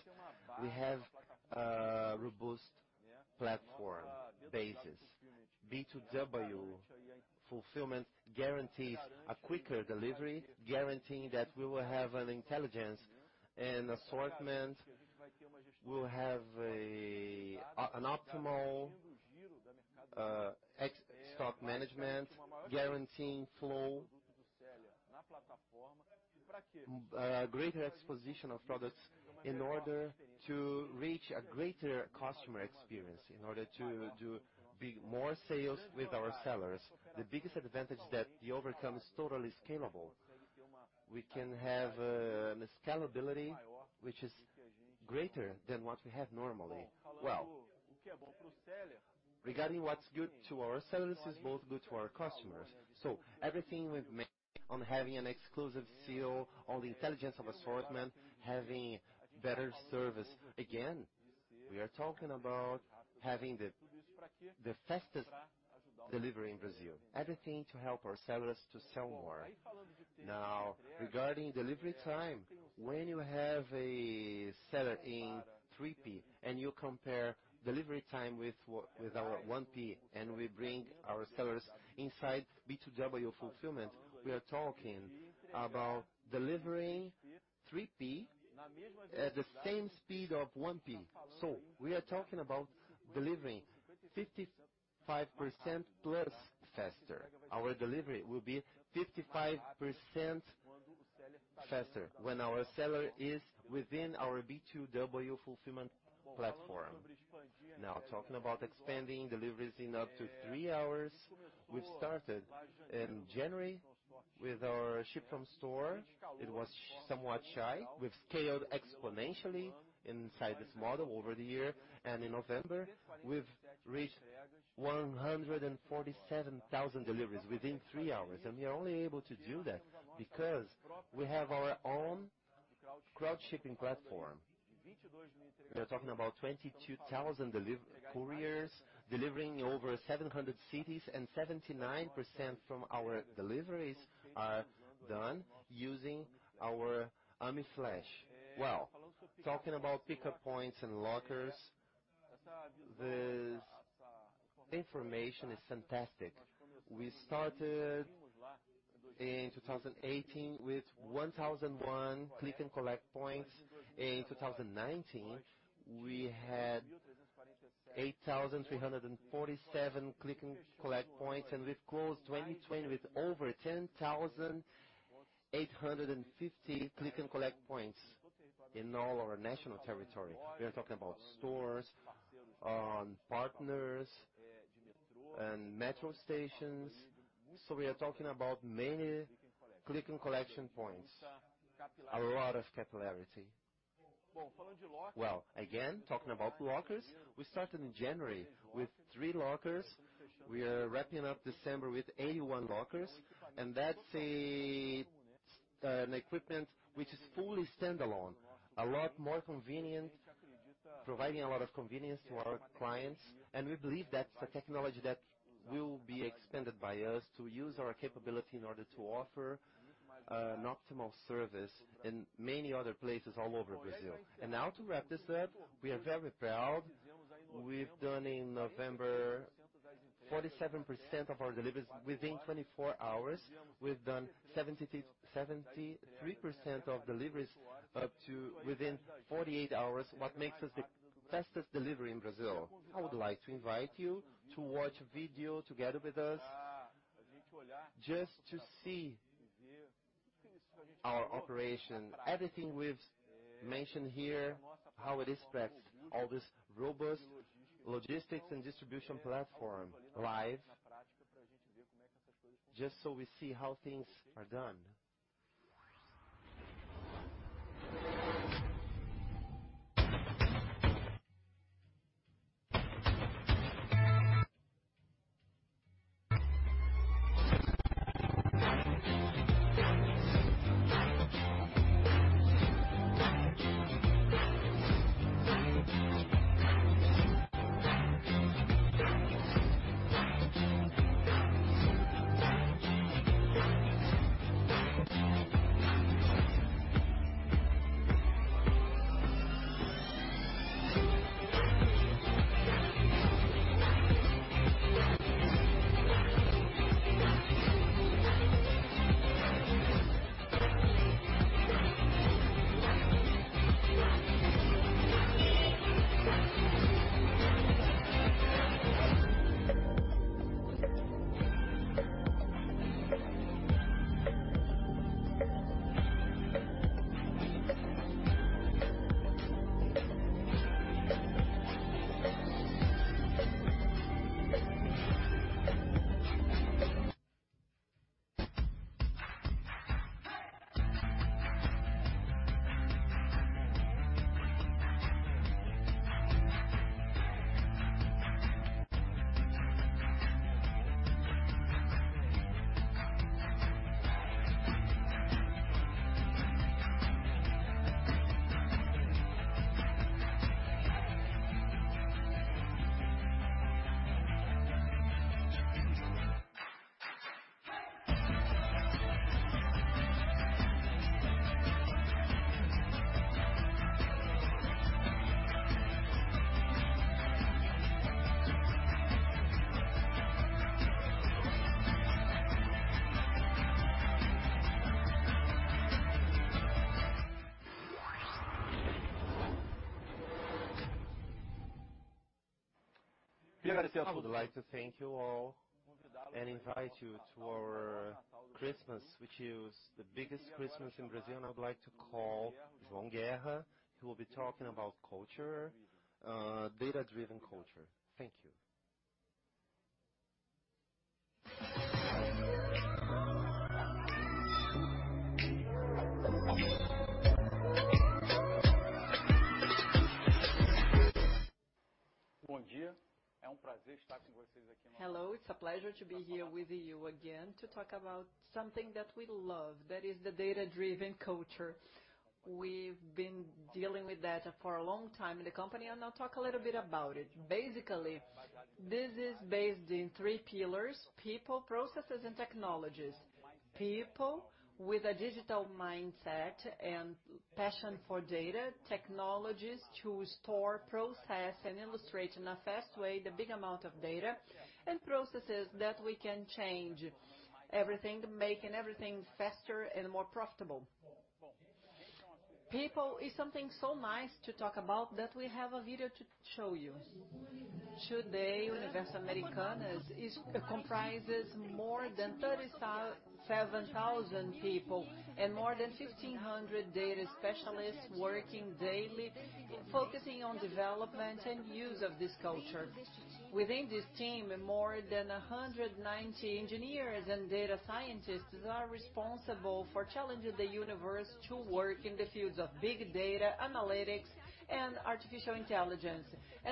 We have a robust platform basis. B2W Fulfillment guarantees a quicker delivery, guaranteeing that we will have an intelligence and assortment, we'll have an optimal stock management, guaranteeing flow. A greater exposition of products in order to reach a greater customer experience, in order to do more sales with our sellers. The biggest advantage that Americanas is totally scalable. We can have a scalability which is greater than what we have normally. Well, regarding what's good to our sellers is both good to our customers. Everything we've made on having an exclusive CEO on the intelligence of assortment, having better service, again, we are talking about having the fastest delivery in Brazil. Everything to help our sellers to sell more. Now regarding delivery time, when you have a seller in 3P and you compare delivery time with our 1P, and we bring our sellers inside B2W Fulfillment, we are talking about delivering 3P at the same speed of 1P. We are talking about delivering 55% plus faster. Our delivery will be 55% faster when our seller is within our B2W Fulfillment platform. Now talking about expanding deliveries in up to three hours. We've started in January with our ship from store. It was somewhat shy. We've scaled exponentially inside this model over the year, and in November we've reached 147,000 deliveries within three hours. We are only able to do that because we have our own crowd shipping platform. We are talking about 22,000 couriers delivering over 700 cities, and 79% from our deliveries are done using our Ame Flash. Talking about pickup points and lockers, this information is fantastic. We started in 2018 with 1,001 click-and-collect points. In 2019, we had 8,347 click-and-collect points, and we've closed 2020 with over 10,850 click-and-collect points in all our national territory. We are talking about stores, on partners, and metro stations. We are talking about many click-and-collect points. A lot of capillarity. Again, talking about lockers, we started in January with three lockers. We are wrapping up December with 81 lockers, and that's an equipment which is fully standalone. A lot more convenient, providing a lot of convenience to our clients, and we believe that's a technology that will be expanded by us to use our capability in order to offer an optimal service in many other places all over Brazil. Now to wrap this up, we are very proud. We've done in November, 47% of our deliveries within 24 hours. We've done 73% of deliveries up to within 48 hours. What makes us the fastest delivery in Brazil. I would like to invite you to watch a video together with us just to see our operation. Everything we've mentioned here, how it is practiced, all this robust logistics and distribution platform live. Just so we see how things are done. I would like to thank you all and invite you to our Christmas, which is the biggest Christmas in Brazil, and I would like to call João Guerra, who will be talking about data-driven culture. Thank you. Hello. It's a pleasure to be here with you again to talk about something that we love, that is the data-driven culture. We've been dealing with that for a long time in the company, and I'll talk a little bit about it. Basically, this is based on three pillars: people, processes, and technologies. People with a digital mindset and passion for data, technologies to store, process, and illustrate in a fast way the big amount of data, and processes that we can change everything, making everything faster and more profitable. People is something so nice to talk about that we have a video to show you. Today, Universo Americanas comprises more than 37,000 people and more than 1,500 data specialists working daily, focusing on development and use of this culture. Within this team, more than 190 engineers and data scientists are responsible for challenging the universe to work in the fields of big data, analytics, and artificial intelligence.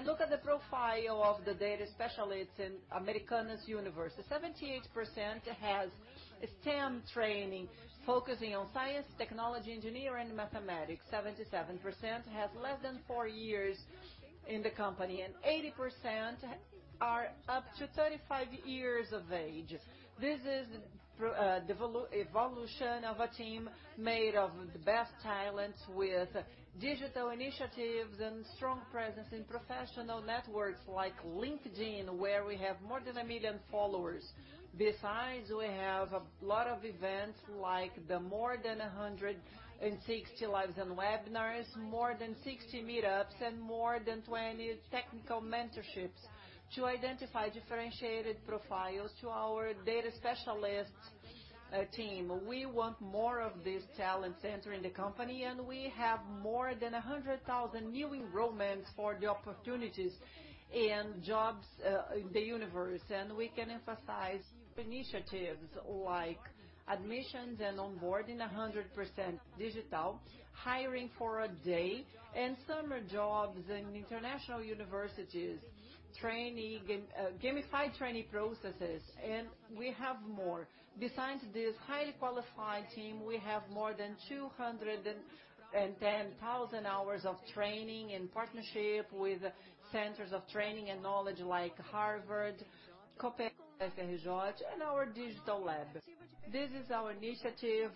Look at the profile of the data specialists in Universo Americanas. 78% have STEM training focusing on science, technology, engineering, and mathematics. 77% have less than four years in the company, and 80% are up to 35 years of age. This is the evolution of a team made of the best talents with digital initiatives and a strong presence in professional networks like LinkedIn, where we have more than 1 million followers. Besides, we have a lot of events like the more than 160 lives and webinars, more than 60 meetups, and more than 20 technical mentorships to identify differentiated profiles to our data specialist team. We want more of these talents entering the company. We have more than 100,000 new enrollments for the opportunities and jobs in the universe. We can emphasize initiatives like admissions and onboarding, 100% digital hiring for a day, and summer jobs in international universities, gamified training processes, and we have more. Besides this highly qualified team, we have more than 210,000 hours of training and partnership with centers of training and knowledge like Harvard, COPPEAD, FGV, and our digital lab. This is our initiative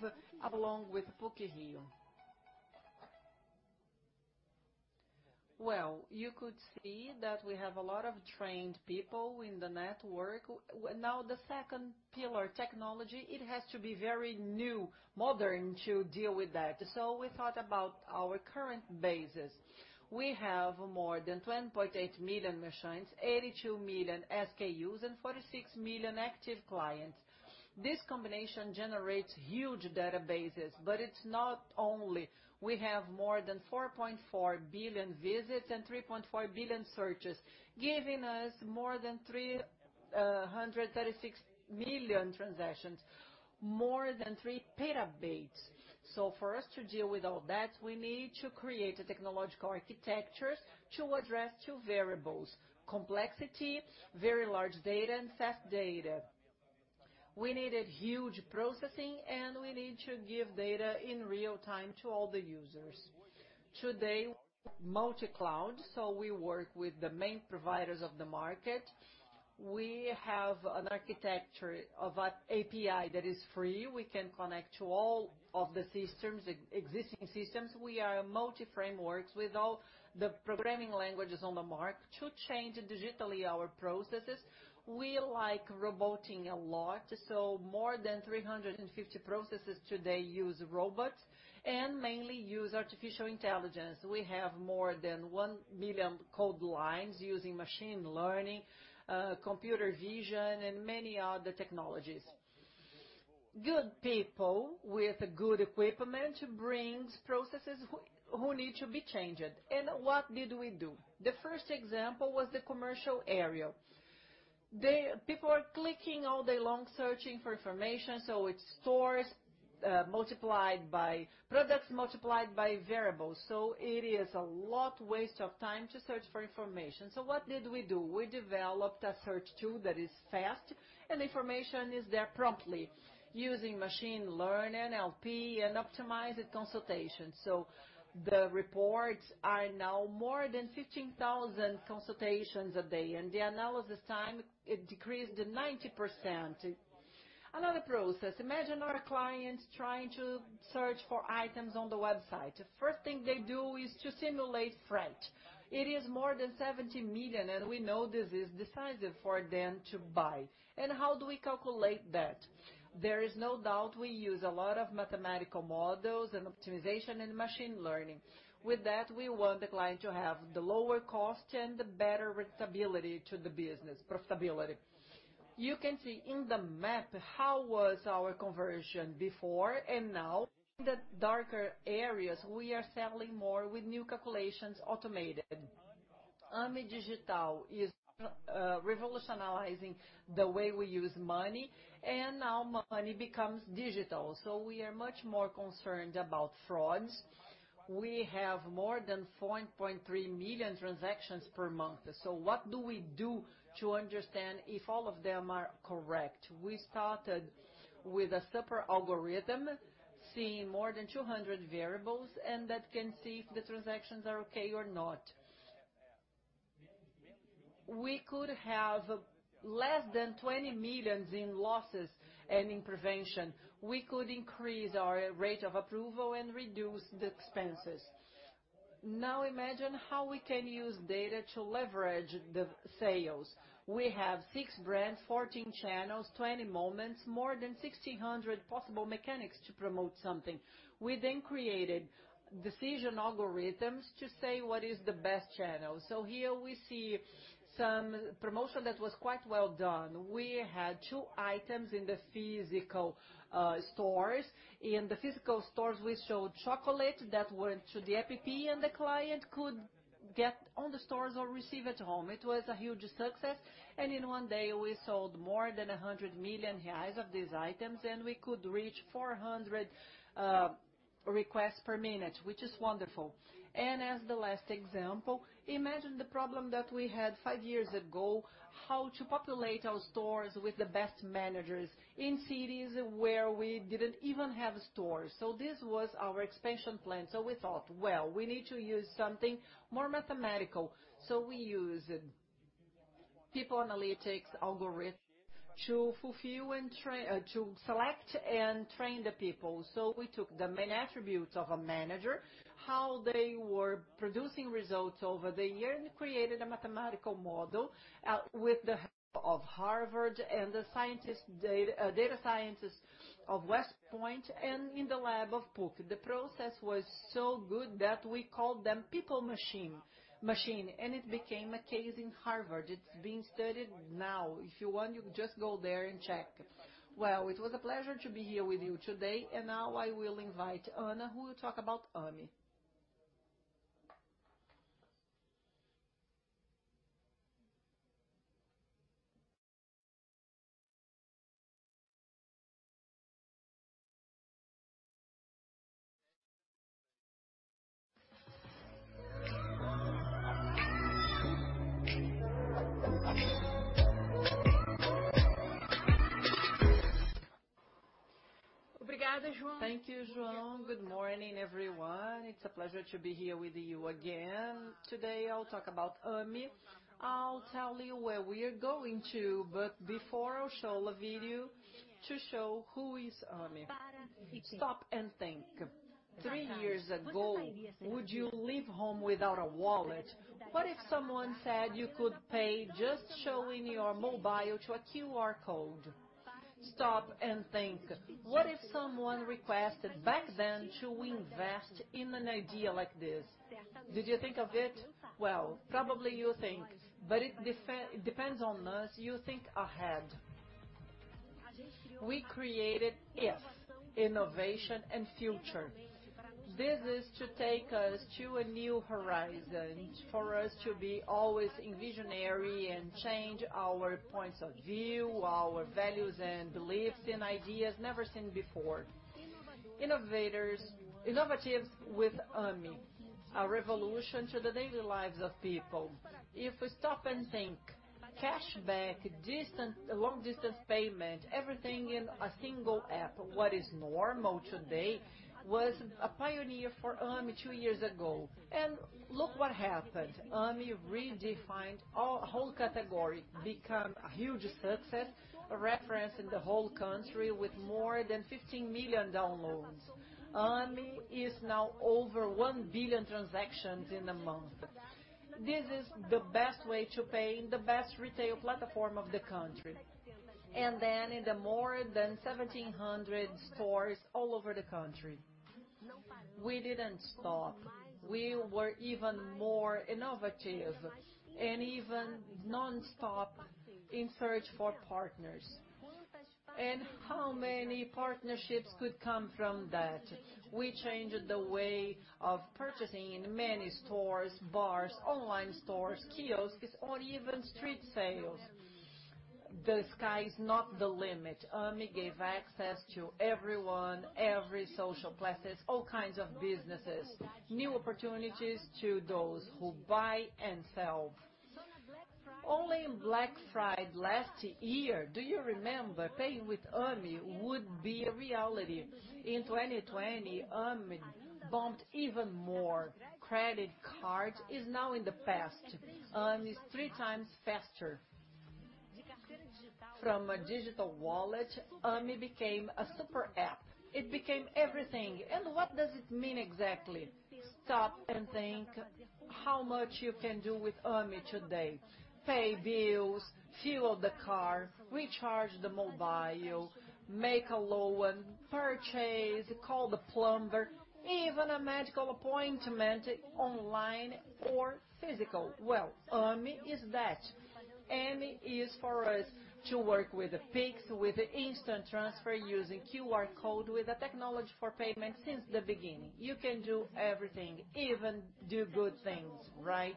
along with PUC-Rio. Well, you could see that we have a lot of trained people in the network. The second pillar, technology, it has to be very new, modern to deal with that. We thought about our current bases. We have more than 20.8 million machines, 82 million SKUs, and 46 million active clients. This combination generates huge databases, it's not only. We have more than 4.4 billion visits and 3.5 billion searches, giving us more than 336 million transactions, more than 3 PB. For us to deal with all that, we need to create technological architectures to address two variables: complexity, very large data, and fast data. We needed huge processing, we need to give data in real time to all the users. Today, multi-cloud, we work with the main providers of the market. We have an architecture of an API that is free. We can connect to all of the existing systems. We are multi-frameworks with all the programming languages on the market to change digitally our processes. We like roboting a lot, more than 350 processes today use robots and mainly use artificial intelligence. We have more than 1 billion code lines using machine learning, computer vision, and many other technologies. Good people with good equipment brings processes that need to be changed. What did we do? The first example was the commercial area. People are clicking all day long searching for information, so it stores products multiplied by variables. It is a lot waste of time to search for information. What did we do? We developed a search tool that is fast and information is there promptly using machine learning, NLP, and optimized consultation. The reports are now more than 15,000 consultations a day, and the analysis time, it decreased to 90%. Another process, imagine our clients trying to search for items on the website. The first thing they do is to simulate freight. It is more than 70 million, and we know this is decisive for them to buy. How do we calculate that? There is no doubt we use a lot of mathematical models and optimization and machine learning. With that, we want the client to have the lower cost and the better profitability to the business. You can see in the map how was our conversion before and now. In the darker areas, we are selling more with new calculations automated. Ame Digital is revolutionizing the way we use money, and now money becomes digital. We are much more concerned about frauds. We have more than 4.3 million transactions per month. What do we do to understand if all of them are correct? We started with a super algorithm, seeing more than 200 variables, and that can see if the transactions are okay or not. We could have less than 20 million in losses and in prevention. We could increase our rate of approval and reduce the expenses. Imagine how we can use data to leverage the sales. We have 6 brands, 14 channels, 20 moments, more than 1,600 possible mechanics to promote something. Created decision algorithms to say what is the best channel. Here we see some promotion that was quite well done. We had 2 items in the physical stores. In the physical stores, we showed Chocolate Show that went to the Americanas app, and the client could get on the stores or receive at home. It was a huge success. In one day, we sold more than 100 million reais of these items, and we could reach 400 RPM, which is wonderful. As the last example, imagine the problem that we had five years ago, how to populate our stores with the best managers in cities where we didn't even have stores. This was our expansion plan. We thought, "Well, we need to use something more mathematical." We used people analytics algorithm to select and train the people. We took the main attributes of a manager, how they were producing results over the year, and created a mathematical model with the help of Harvard University and the data scientists of West Point and in the lab of PUC-Rio. The process was so good that we called them People Machine. It became a case in Harvard University. It's being studied now. If you want, you can just go there and check. Well, it was a pleasure to be here with you today. Now I will invite Anna, who will talk about Ame. Thank you, João. Good morning, everyone. It's a pleasure to be here with you again. Today, I'll talk about Ame. I'll tell you where we're going to. Before, I'll show a video to show who is Ame. Stop and think. Three years ago, would you leave home without a wallet? What if someone said you could pay just showing your mobile to a QR code? Stop and think. What if someone requested back then to invest in an idea like this? Did you think of it? Well, probably you think. It depends on us. You think ahead. We created it, Innovation and Future. This is to take us to a new horizon for us to be always envisionary and change our points of view, our values and beliefs and ideas never seen before. Innovatives with Ame, a revolution to the daily lives of people. If we stop and think, cashback, long-distance payment, everything in a single app, what is normal today was a pioneer for Ame two years ago. Look what happened. Ame redefined a whole category, become a huge success, a reference in the whole country with more than 15 million downloads. Ame is now over one billion transactions in a month. This is the best way to pay in the best retail platform of the country. In the more than 1,700 stores all over the country. We didn't stop. We were even more innovative, and even nonstop in search for partners. How many partnerships could come from that? We changed the way of purchasing in many stores, bars, online stores, kiosks, or even street sales. The sky is not the limit. Ame gave access to everyone, every social classes, all kinds of businesses. New opportunities to those who buy and sell. Only in Black Friday last year, do you remember paying with Ame would be a reality? In 2020, Ame bumped even more. Credit card is now in the past. Ame is three times faster. From a digital wallet, Ame became a super app. It became everything. What does it mean exactly? Stop and think how much you can do with Ame today. Pay bills, fuel the car, recharge the mobile, make a loan, purchase, call the plumber, even a medical appointment online or physical. Well, Ame is that. Ame is for us to work with the Pix, with the instant transfer using QR code, with the technology for payment since the beginning. You can do everything, even do good things, right?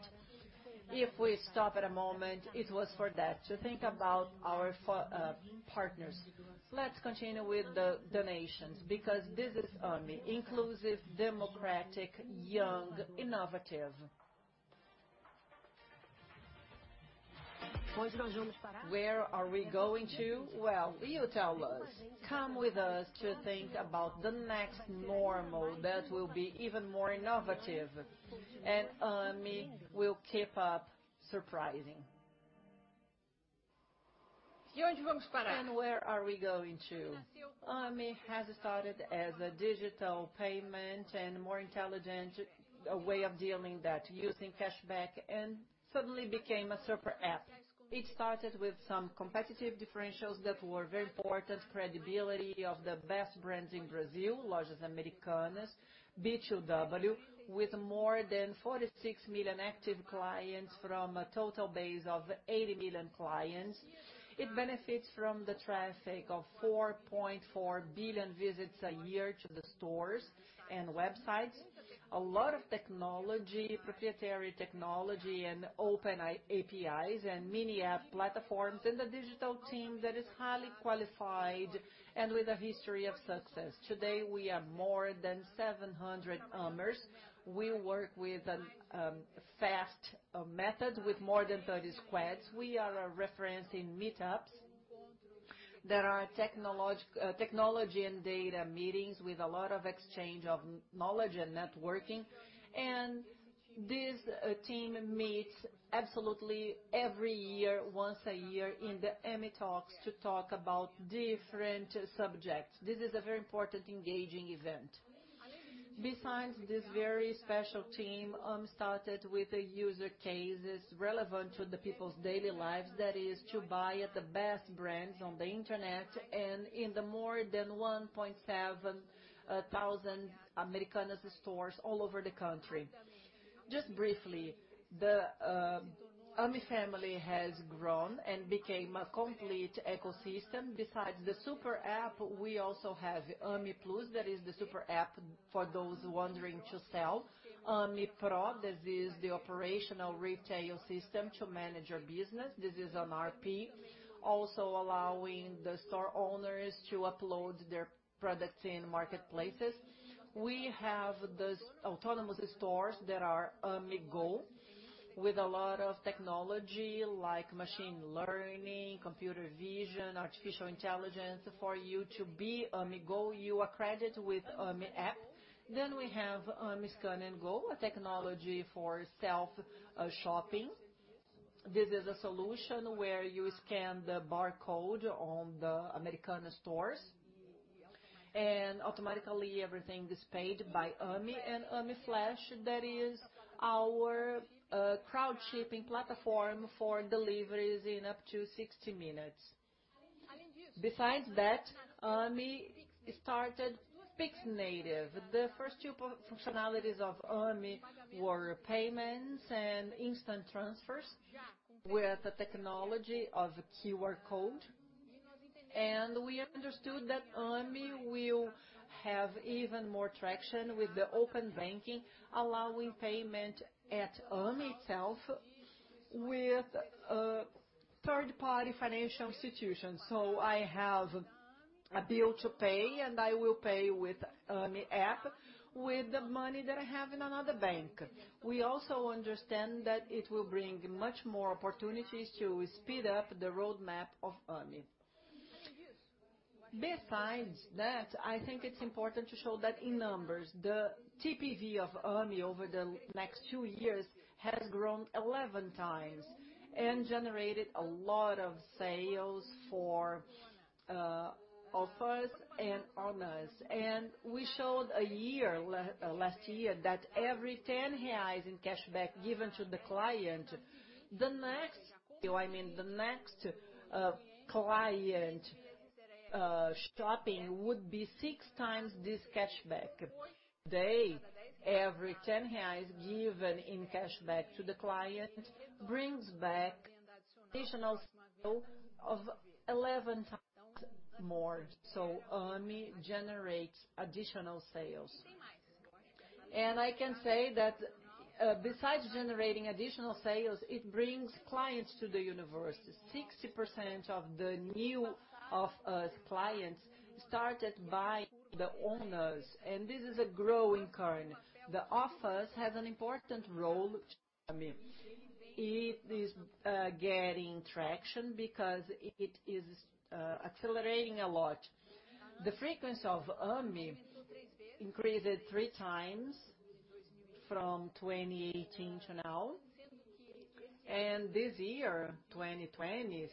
If we stop at a moment, it was for that, to think about our partners. Let's continue with the donations, because this is Ame, inclusive, democratic, young, innovative. Where are we going to? Well, you tell us. Come with us to think about the next normal that will be even more innovative. Ame will keep up surprising. Where are we going to? Ame has started as a digital payment and more intelligent way of dealing that using cashback, and suddenly became a super app. It started with some competitive differentials that were very important, credibility of the best brands in Brazil, Lojas Americanas, B2W, with more than 46 million active clients from a total base of 80 million clients. It benefits from the traffic of 4.4 billion visits a year to the stores and websites. A lot of technology, proprietary technology and open APIs and mini app platforms, and a digital team that is highly qualified and with a history of success. Today, we are more than 700 Amers. We work with a fast method with more than 30 squads. We are a reference in meetups. There are technology and data meetings with a lot of exchange of knowledge and networking. This team meets absolutely every year, once a year in the Ame Talks to talk about different subjects. This is a very important engaging event. Besides this very special team, Ame started with use cases relevant to the people's daily lives, that is to buy at the best brands on the internet, and in the more than 1,700 Americanas stores all over the country. Just briefly, the Ame family has grown and became a complete ecosystem. Besides the super app, we also have Ame Plus, that is the super app for those wanting to sell. Ame Pro, this is the operational retail system to manage your business. This is an ERP, also allowing the store owners to upload their products in marketplaces. We have those autonomous stores that are Ame Go, with a lot of technology like machine learning, computer vision, artificial intelligence. For you to be Ame Go, you accredit with Ame app. We have Ame Scan and Go, a technology for self-shopping. This is a solution where you scan the barcode on the Americanas stores, and automatically everything is paid by Ame. Ame Flash, that is our crowd shipping platform for deliveries in up to 60 minutes. Besides that, Ame started Pix Native. The first two functionalities of Ame were payments and instant transfers with the technology of QR code. We understood that Ame will have even more traction with the open banking, allowing payment at Ame itself with third-party financial institutions. I have a bill to pay, and I will pay with Ame app with the money that I have in another bank. We also understand that it will bring much more opportunities to speed up the roadmap of Ame. Besides that, I think it's important to show that in numbers. The TPV of Ame over the next two years has grown 11 times and generated a lot of sales for offers and owners. We showed last year that every 10 reais in cashback given to the client, the next client shopping would be 6 times this cashback. Today, every 10 reais given in cashback to the client brings back additional sale of 11 times more. Ame generates additional sales. I can say that besides generating additional sales, it brings clients to the universe. 60% of the new Off Us clients started buying the on-us, and this is a growing current. The offers have an important role to Ame. It is getting traction because it is accelerating a lot. The frequency of Ame increased three times from 2018 to now, and this year, 2020,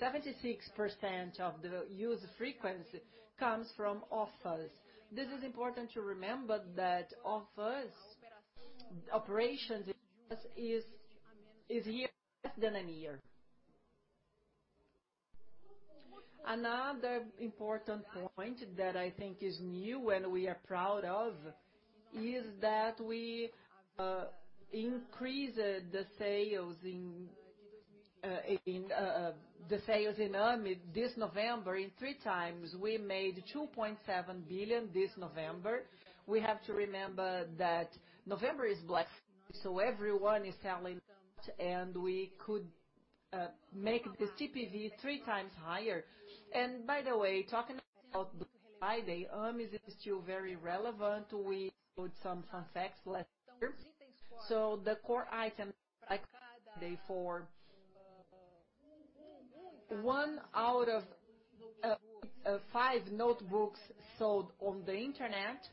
76% of the use frequency comes from offers. This is important to remember that Ame's operations is here less than a year. Another important point that I think is new and we are proud of, is that we increased the sales in Ame this November in three times. We made 2.7 billion this November. We have to remember that November is Black Friday, so everyone is selling a lot and we could make the TPV three times higher. By the way, talking about Black Friday, Ame is still very relevant. We sold some fun facts last year. So the core items like day four. One out of five notebooks sold on the internet,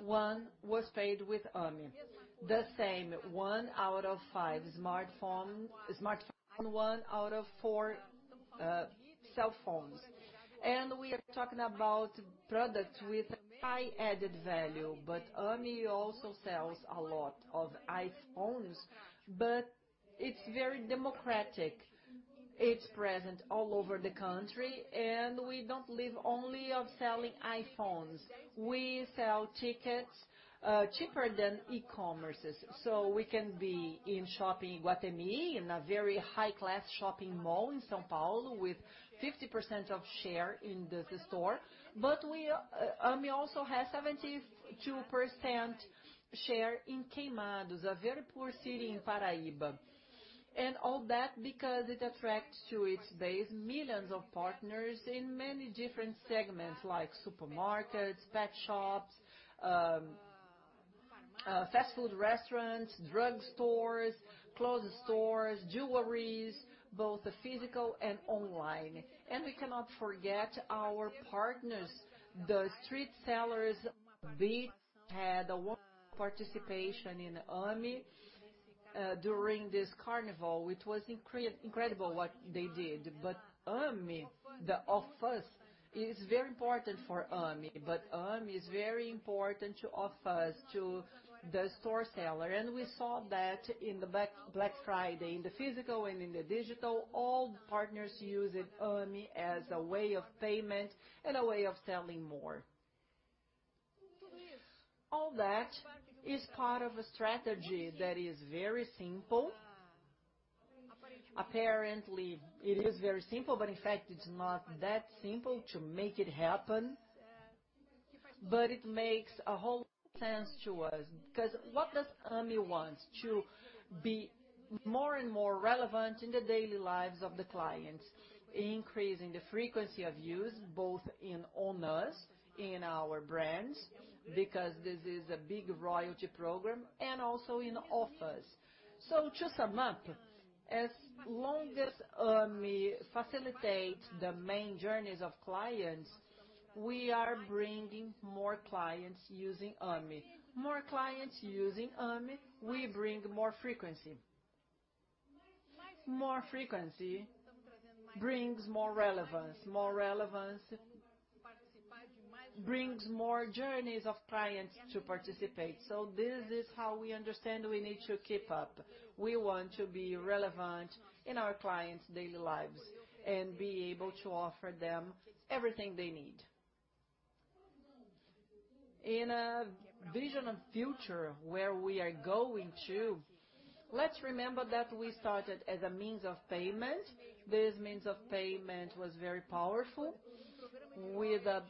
one was paid with Ame. The same, one out of five smartphone, one out of four cell phones. And we are talking about products with high added value, but Ame also sells a lot of iPhones. But it's very democratic. It's present all over the country. We don't live only of selling iPhones. We sell tickets cheaper than e-commerces. We can be in Shopping Iguatemi, in a very high-class shopping mall in São Paulo with 50% of share in the store. Ame also has 72% share in Queimadas, a very poor city in Paraíba. All that because it attracts to its base millions of partners in many different segments, like supermarkets, pet shops, fast food restaurants, drug stores, clothes stores, jewelries, both physical and online. We cannot forget our partners, the street sellers. They had a wonderful participation in Ame during this carnival, which was incredible what they did. Ame, the offers, is very important for Ame, but Ame is very important to offers to the store seller. We saw that in the Black Friday, in the physical and in the digital, all the partners used Ame as a way of payment and a way of selling more. All that is part of a strategy that is very simple. Apparently, it is very simple, but in fact, it's not that simple to make it happen. It makes a whole lot of sense to us, because what does Ame want? To be more and more relevant in the daily lives of the clients, increasing the frequency of use, both in on-us, in our brands, because this is a big royalty program, and also in offers. To sum up, as long as Ame facilitates the main journeys of clients, we are bringing more clients using Ame. More clients using Ame, we bring more frequency. More frequency brings more relevance. More relevance brings more journeys of clients to participate. This is how we understand we need to keep up. We want to be relevant in our clients' daily lives and be able to offer them everything they need. In a vision of future, let's remember that we started as a means of payment. This means of payment was very powerful with a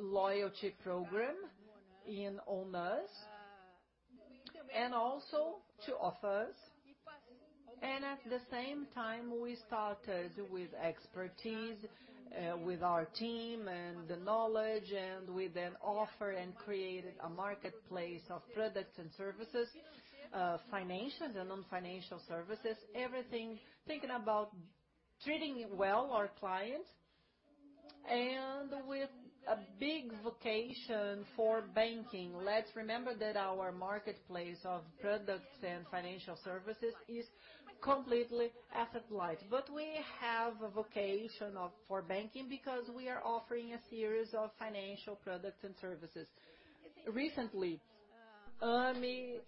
loyalty program in on-us, and also to offers. At the same time, we started with expertise with our team and the knowledge, and we then offer and created a marketplace of products and services, financial and non-financial services, everything thinking about treating well our client and with a big vocation for banking. Let's remember that our marketplace of products and financial services is completely asset light. We have a vocation for banking because we are offering a series of financial products and services. Recently, Ame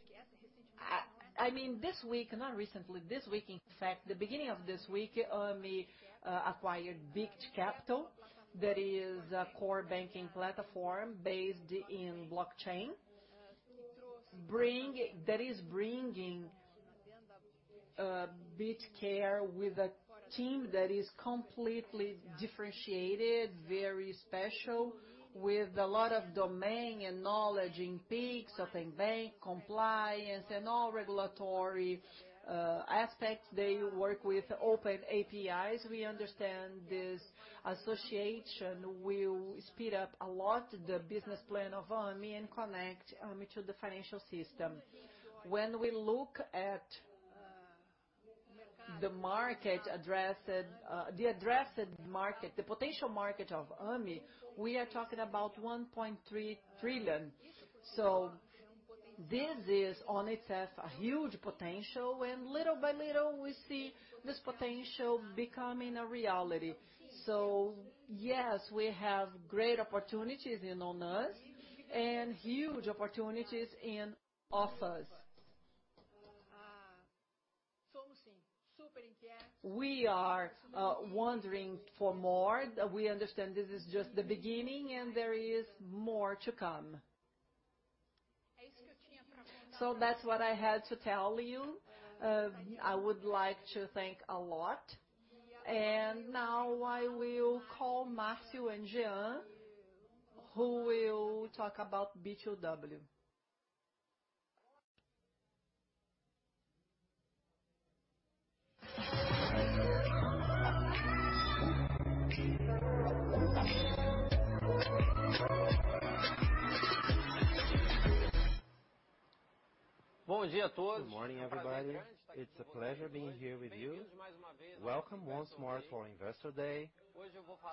acquired Bit Capital, that is a core banking platform based in blockchain. Bringing Bit Capital with a team that is completely differentiated, very special, with a lot of domain and knowledge in Pix, open banking, compliance and all regulatory aspects. They work with open APIs. We understand this association will speed up a lot the business plan of Ame and connect Ame to the financial system. When we look at the addressed market, the potential market of Ame, we are talking about 1.3 trillion. This is on its own a huge potential, and little by little we see this potential becoming a reality. Yes, we have great opportunities in on-us and huge opportunities in Off Us. We are wondering for more. We understand this is just the beginning and there is more to come. That's what I had to tell you. I would like to thank a lot. Now I will call Marcio and Jean, who will talk about B2W. Good morning, everybody. It is a pleasure being here with you. Welcome once more for Investor Day.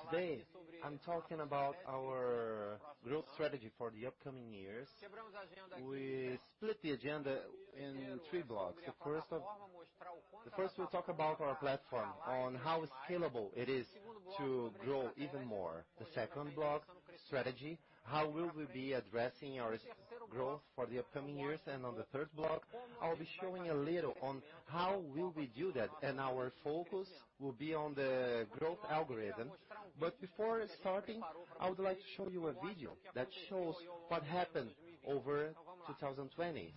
Today, I am talking about our growth strategy for the upcoming years. We split the agenda in three blocks. First, we will talk about our platform on how scalable it is to grow even more. The second block, strategy, how will we be addressing our growth for the upcoming years? On the third block, I will be showing a little on how we will do that, and our focus will be on the growth algorithm. Before starting, I would like to show you a video that shows what happened over 2020.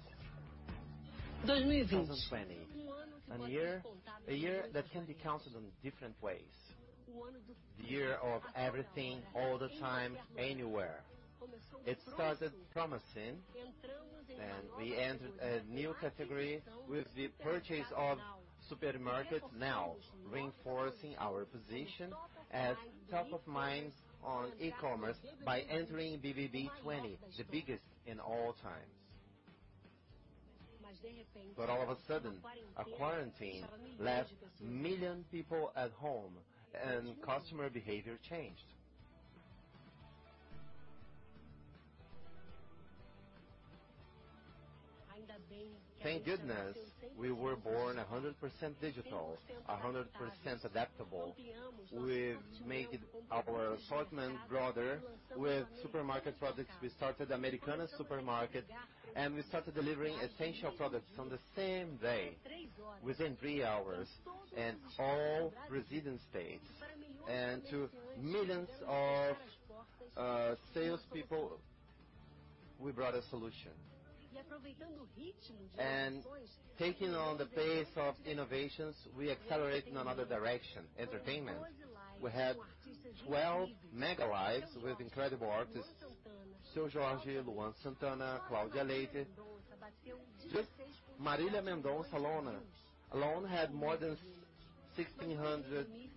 2020, a year that can be counted in different ways. The year of everything, all the time, anywhere. It started promising, and we entered a new category with the purchase of Supermercado Now, reinforcing our position as top of mind on e-commerce by entering BBB20, the biggest in all times. All of a sudden, a quarantine left a million people at home, and customer behavior changed. Thank goodness we were born 100% digital, 100% adaptable. We've made our assortment broader with supermarket products. We started Americanas Mercado, and we started delivering essential products on the same day, within three hours in all Brazilian states. To millions of salespeople, we brought a solution. Taking on the pace of innovations, we accelerated in another direction: entertainment. We had 12 mega lives with incredible artists, Seu Jorge, Luan Santana, Cláudia Leitte. Just Marília Mendonça alone had more than 16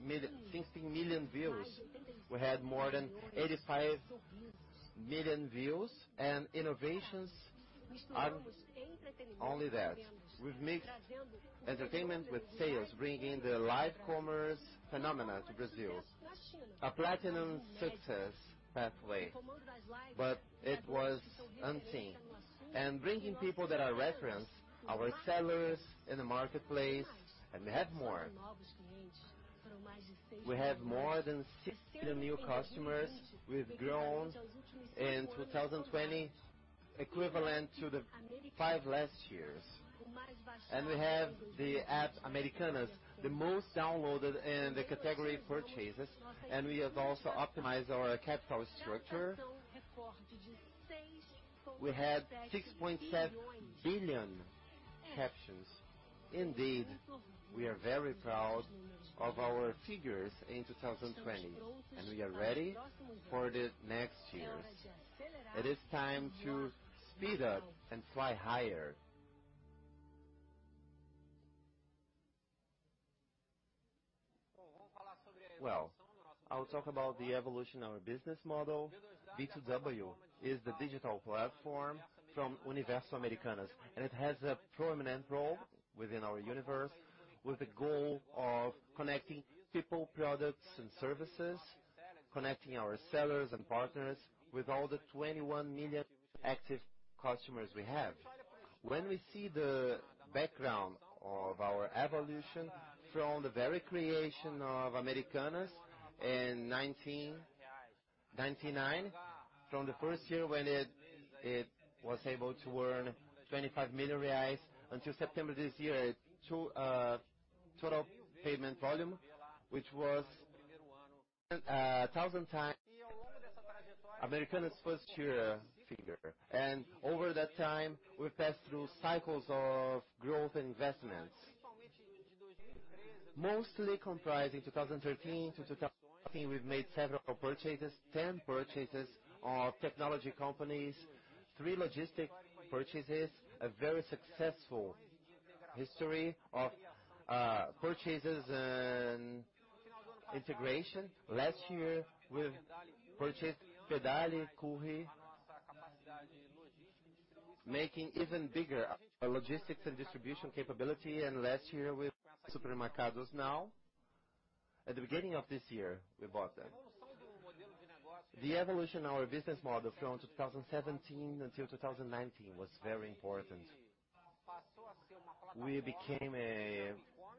million views. We had more than 85 million views and innovations are only that. We've mixed entertainment with sales, bringing the live commerce phenomena to Brazil. A platinum success pathway, but it was unseen. Bringing people that are referenced, our sellers in the marketplace, and we have more. We have more than 60 new customers. We've grown in 2020 equivalent to the five last years. We have the app Americanas, the most downloaded in the category purchases, and we have also optimized our capital structure. We had BRL 6.7 billion capital. Indeed, we are very proud of our figures in 2020, and we are ready for the next years. It is time to speed up and fly higher. Well, I will talk about the evolution of our business model. B2W is the digital platform from Universo Americanas, and it has a prominent role within our universe, with the goal of connecting people, products, and services, connecting our sellers and partners with all the 21 million active customers we have. When we see the background of our evolution from the very creation of Americanas in 1999, from the first year when it was able to earn 25 million reais until September this year, total payment volume, which was 1,000 times Americanas' first year figure. Over that time, we passed through cycles of growth and investments. Mostly comprised in 2013-2014, we've made several purchases, 10 purchases of technology companies, three logistic purchases, a very successful history of purchases and integration. Last year, we purchased Pedala and Courrieros, making even bigger our logistics and distribution capability. Last year we purchased Supermercado Now. At the beginning of this year, we bought them. The evolution of our business model from 2017 until 2019 was very important. We became a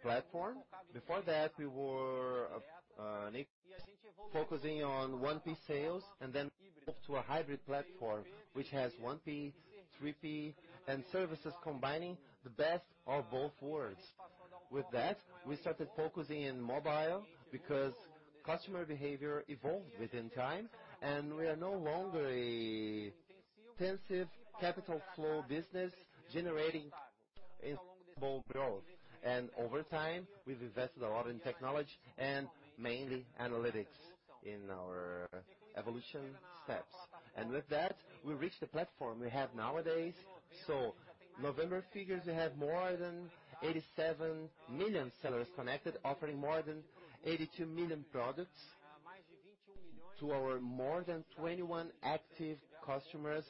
platform. Before that, we were an e-commerce focusing on 1P sales, and then moved to a hybrid platform, which has 1P, 3P and services combining the best of both worlds. With that, we started focusing on mobile because customer behavior evolved within time, and we are no longer an intensive capital flow business generating sustainable growth. Over time, we've invested a lot in technology and mainly analytics in our evolution steps. With that, we reached the platform we have nowadays. November figures, we have more than 87 million sellers connected, offering more than 82 million products to our more than 21 active customers.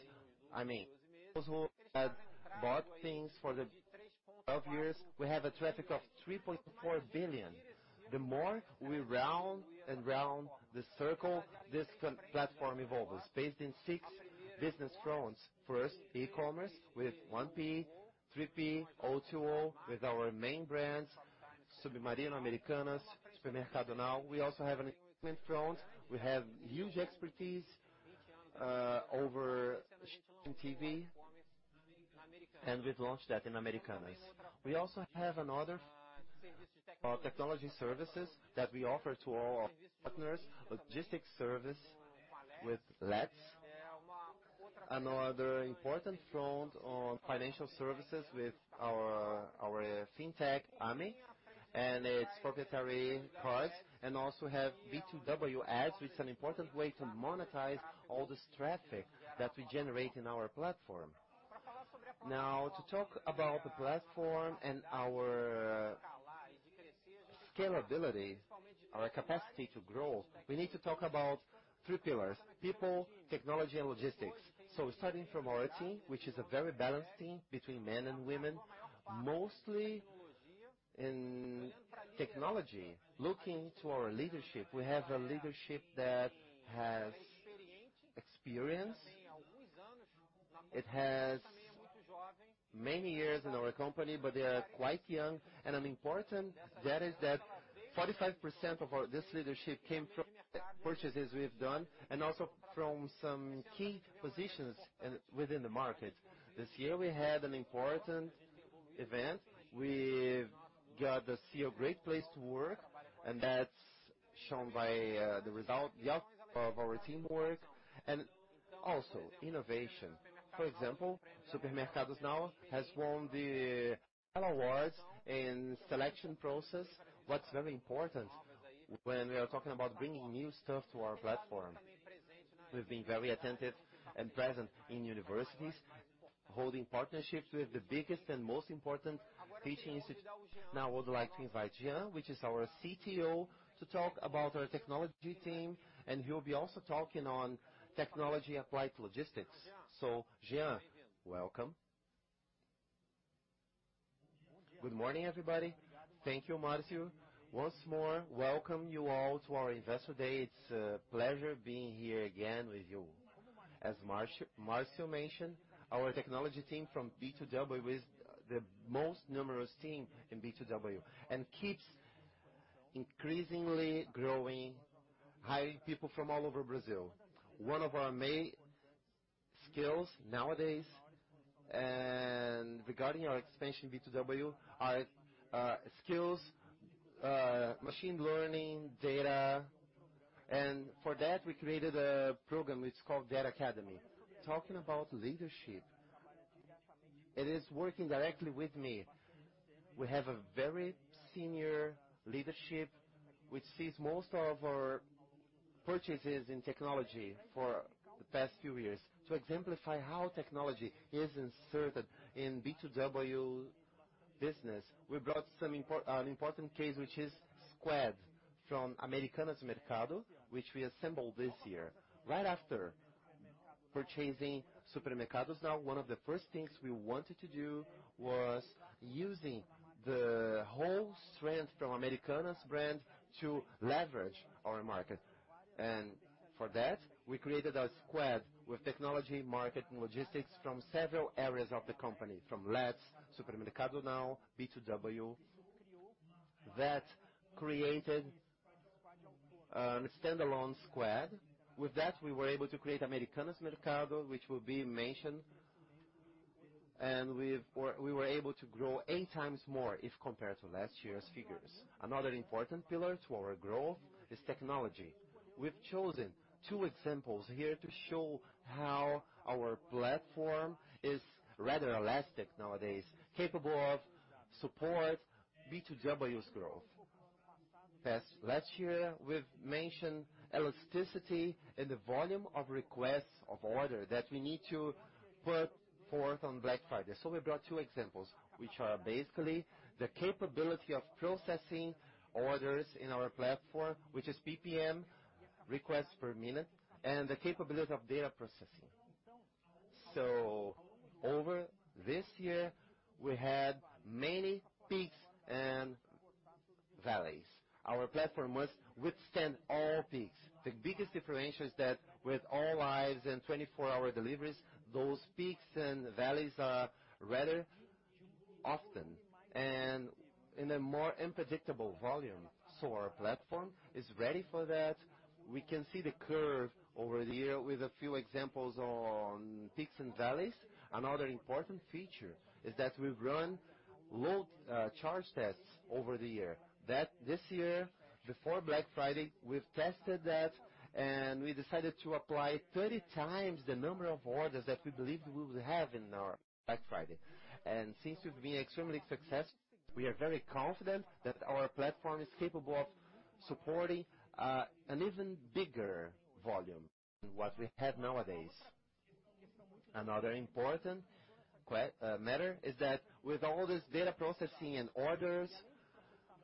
I mean, those who have bought things for the past 12 years. We have a traffic of 3.4 billion. The more we round and round the circle, this platform evolves based in six business fronts. E-commerce with 1P, 3P, O2O with our main brands, Submarino, Americanas, Supermercado Now. We also have an entertainment front. We have huge expertise over streaming TV, we've launched that in Americanas. We also have other technology services that we offer to all our partners. Logistic service with Let's. Another important front on financial services with our fintech, Ame, and its proprietary products, and also have B2W Ads, which is an important way to monetize all this traffic that we generate in our platform. To talk about the platform and our scalability, our capacity to grow, we need to talk about three pillars: people, technology, and logistics. Starting from our team, which is a very balanced team between men and women, mostly in technology. Looking to our leadership, we have a leadership that has experience. It has many years in our company, but they are quite young. An important data is that 45% of this leadership came from the purchases we've done and also from some key positions within the market. This year, we had an important event. We've got the Selo Great Place to Work, and that's shown by the output of our teamwork and also innovation. For example, Supermercado Now has won the ELA Awards in selection process, what's very important when we are talking about bringing new stuff to our platform. We've been very attentive and present in universities, holding partnerships with the biggest and most important teaching institutes. Now I would like to invite Jean, who is our CTO, to talk about our technology team, and he will be also talking on technology applied logistics. Jean, welcome. Good morning, everybody. Thank you, Marcio. Once more, welcome you all to our Investor Day. It's a pleasure being here again with you. As Marcio mentioned, our technology team from B2W is the most numerous team in B2W and keeps increasingly growing, hiring people from all over Brazil. One of our main skills nowadays and regarding our expansion B2W are skills, machine learning, data. For that, we created a program. It's called Data Academy. Talking about leadership, it is working directly with me. We have a very senior leadership which sees most of our purchases in technology for the past few years. To exemplify how technology is inserted in B2W business, we brought an important case, which is Squad from Americanas Mercado, which we assembled this year. Right after purchasing Supermercado Now, one of the first things we wanted to do was using the whole strength from Americanas brand to leverage our market. For that, we created a squad with technology, market, and logistics from several areas of the company. From Let's, Supermercado Now, B2W. That created a standalone squad. With that, we were able to create Americanas Mercado, which will be mentioned, and we were able to grow eight times more if compared to last year's figures. Another important pillar to our growth is technology. We've chosen two examples here to show how our platform is rather elastic nowadays, capable of support B2W's growth. Last year, we've mentioned elasticity in the volume of requests of order that we need to put forth on Black Friday. We brought two examples, which are basically the capability of processing orders in our platform, which is RPM, requests per minute, and the capability of data processing. Over this year, we had many peaks and valleys. Our platform must withstand all peaks. The biggest differentiator is that with all lives and 24-hour deliveries, those peaks and valleys are rather often and in a more unpredictable volume. Our platform is ready for that. We can see the curve over the year with a few examples on peaks and valleys. Another important feature is that we've run load charge tests over the year. This year, before Black Friday, we've tested that, and we decided to apply 30 times the number of orders that we believed we would have in our Black Friday. Since we've been extremely successful, we are very confident that our platform is capable of supporting an even bigger volume than what we have nowadays. Another important matter is that with all this data processing and orders,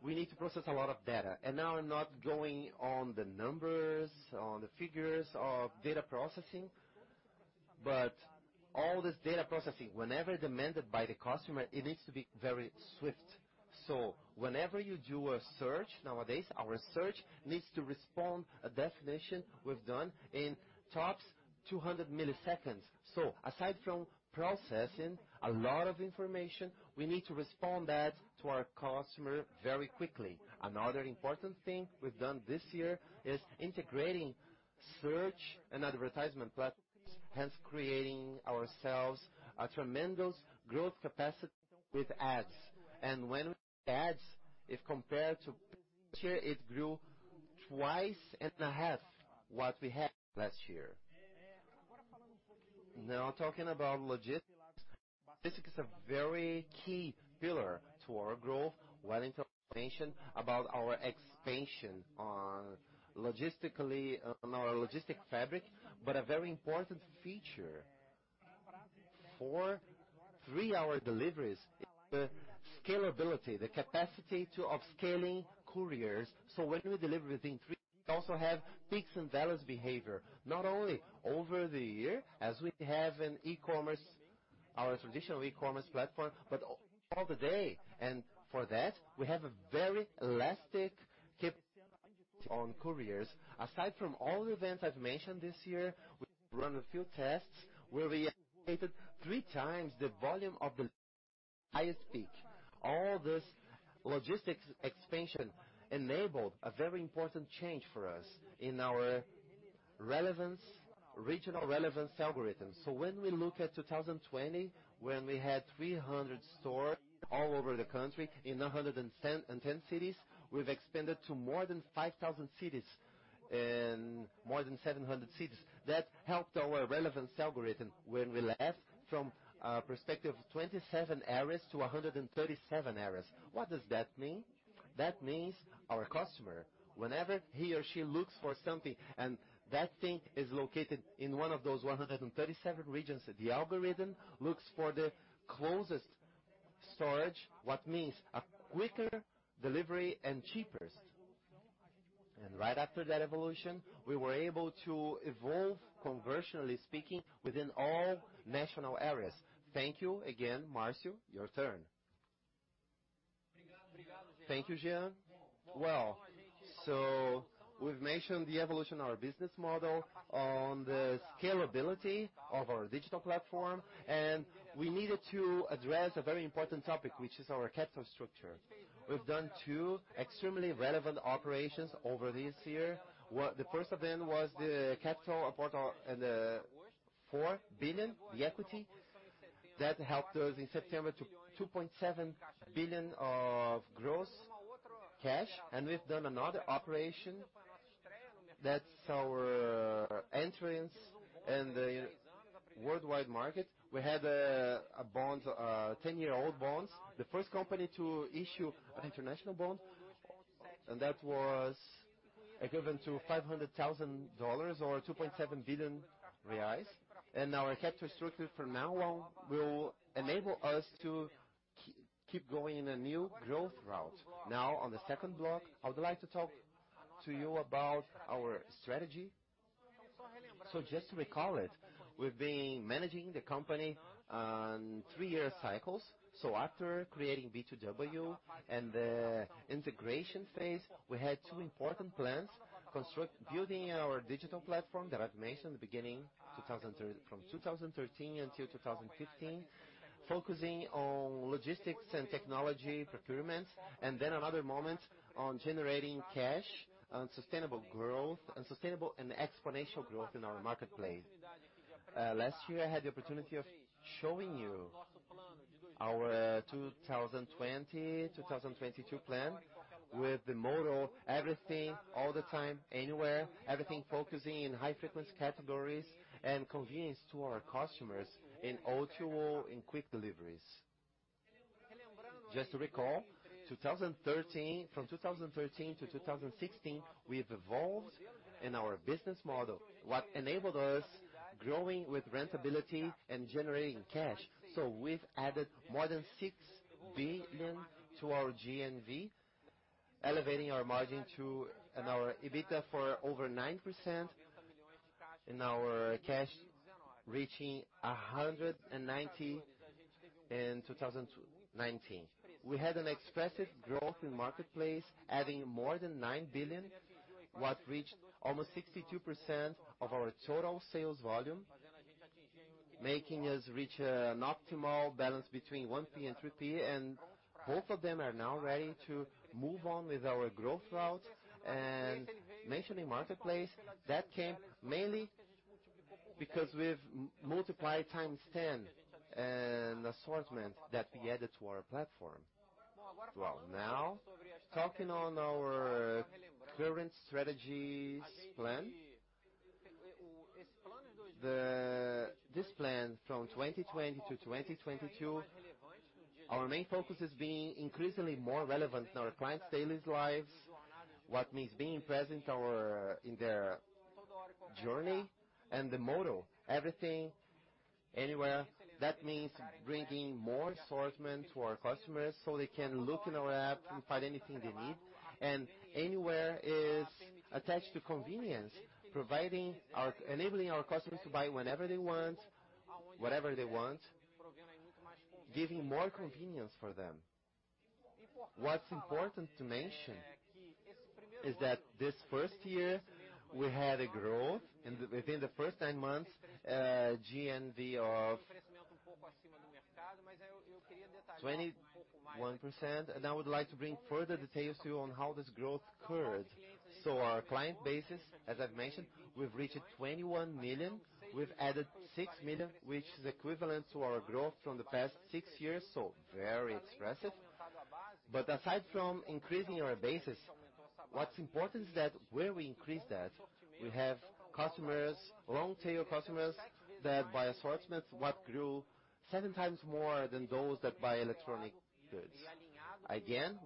we need to process a lot of data. Now I'm not going on the numbers, on the figures of data processing, but all this data processing, whenever demanded by the customer, it needs to be very swift. Whenever you do a search nowadays, our search needs to respond a definition we've done in tops 200 milliseconds. Aside from processing a lot of information, we need to respond that to our customer very quickly. Another important thing we've done this year is integrating search and advertisement platforms, hence creating ourselves a tremendous growth capacity with ads. Ads, if compared to last year, it grew 2.5 times what we had last year. Talking about logistics. Logistics is a very key pillar to our growth. Wellington mentioned about our expansion on our logistic fabric, a very important feature for three-hour deliveries is the scalability, the capacity of scaling couriers. When we deliver within three, we also have peaks and valleys behavior, not only over the year as we have in our traditional e-commerce platform, all the day. For that, we have a very elastic capacity on couriers. Aside from all events I've mentioned this year, we've run a few tests where we activated three times the volume of the highest peak. All this logistics expansion enabled a very important change for us in our regional relevance algorithm. When we look at 2020, when we had 300 stores all over the country in 110 cities, we've expanded to more than 700 cities. That helped our relevance algorithm when we left from a perspective of 27 areas to 137 areas. What does that mean? That means our customer, whenever he or she looks for something and that thing is located in one of those 137 regions, the algorithm looks for the closest storage, what means a quicker delivery and cheapest. Right after that evolution, we were able to evolve conversionally speaking within all national areas. Thank you. Again, Marcio, your turn. Thank you, Jean. We've mentioned the evolution of our business model on the scalability of our digital platform, and we needed to address a very important topic, which is our capital structure. We've done two extremely relevant operations over this year. The first of them was the capital of 4 billion, the equity, that helped us in September to 2.7 billion of gross cash. We've done another operation that's our entrance in the worldwide market. We had a 10-year-old bond, the first company to issue an international bond, that was equivalent to $500 million or 2.7 billion reais. Our capital structure from now on will enable us to keep going in a new growth route. Now on the second block, I would like to talk to you about our strategy. Just to recall it, we've been managing the company on three-year cycles. After creating B2W and the integration phase, we had two important plans, building our digital platform that I've mentioned beginning from 2013 until 2015, focusing on logistics and technology procurement, and then another moment on generating cash on sustainable growth and sustainable and exponential growth in our marketplace. Last year, I had the opportunity of showing you our 2020, 2022 plan with the motto, everything all the time, anywhere, everything focusing in high-frequency categories and convenience to our customers in O2O in quick deliveries. Just to recall, from 2013 to 2016, we've evolved in our business model what enabled us growing with profitability and generating cash. We've added more than 6 billion to our GMV, elevating our margin to and our EBITDA for over 9% and our cash reaching 190 in 2019. We had an expressive growth in marketplace, adding more than 9 billion, what reached almost 62% of our total sales volume, making us reach an optimal balance between 1P and 3P. Both of them are now ready to move on with our growth route. Mentioning marketplace, that came mainly because we've multiplied times 10 an assortment that we added to our platform. Well, now talking on our current strategies plan. This plan from 2020 to 2022, our main focus is being increasingly more relevant in our clients' daily lives. What means being present in their journey and the motto, Everything Anywhere. That means bringing more assortment to our customers so they can look in our Americanas app and find anything they need. Anywhere is attached to convenience, enabling our customers to buy whenever they want, whatever they want, giving more convenience for them. What's important to mention is that this first year, we had a growth within the first nine months, GMV of 21%. I would like to bring further details to you on how this growth occurred. Our client base, as I've mentioned, we've reached 21 million. We've added 6 million, which is equivalent to our growth from the past six years, so very expressive. Aside from increasing our bases, what's important is that where we increased at, we have long-tail customers that buy assortments, what grew seven times more than those that buy electronic goods.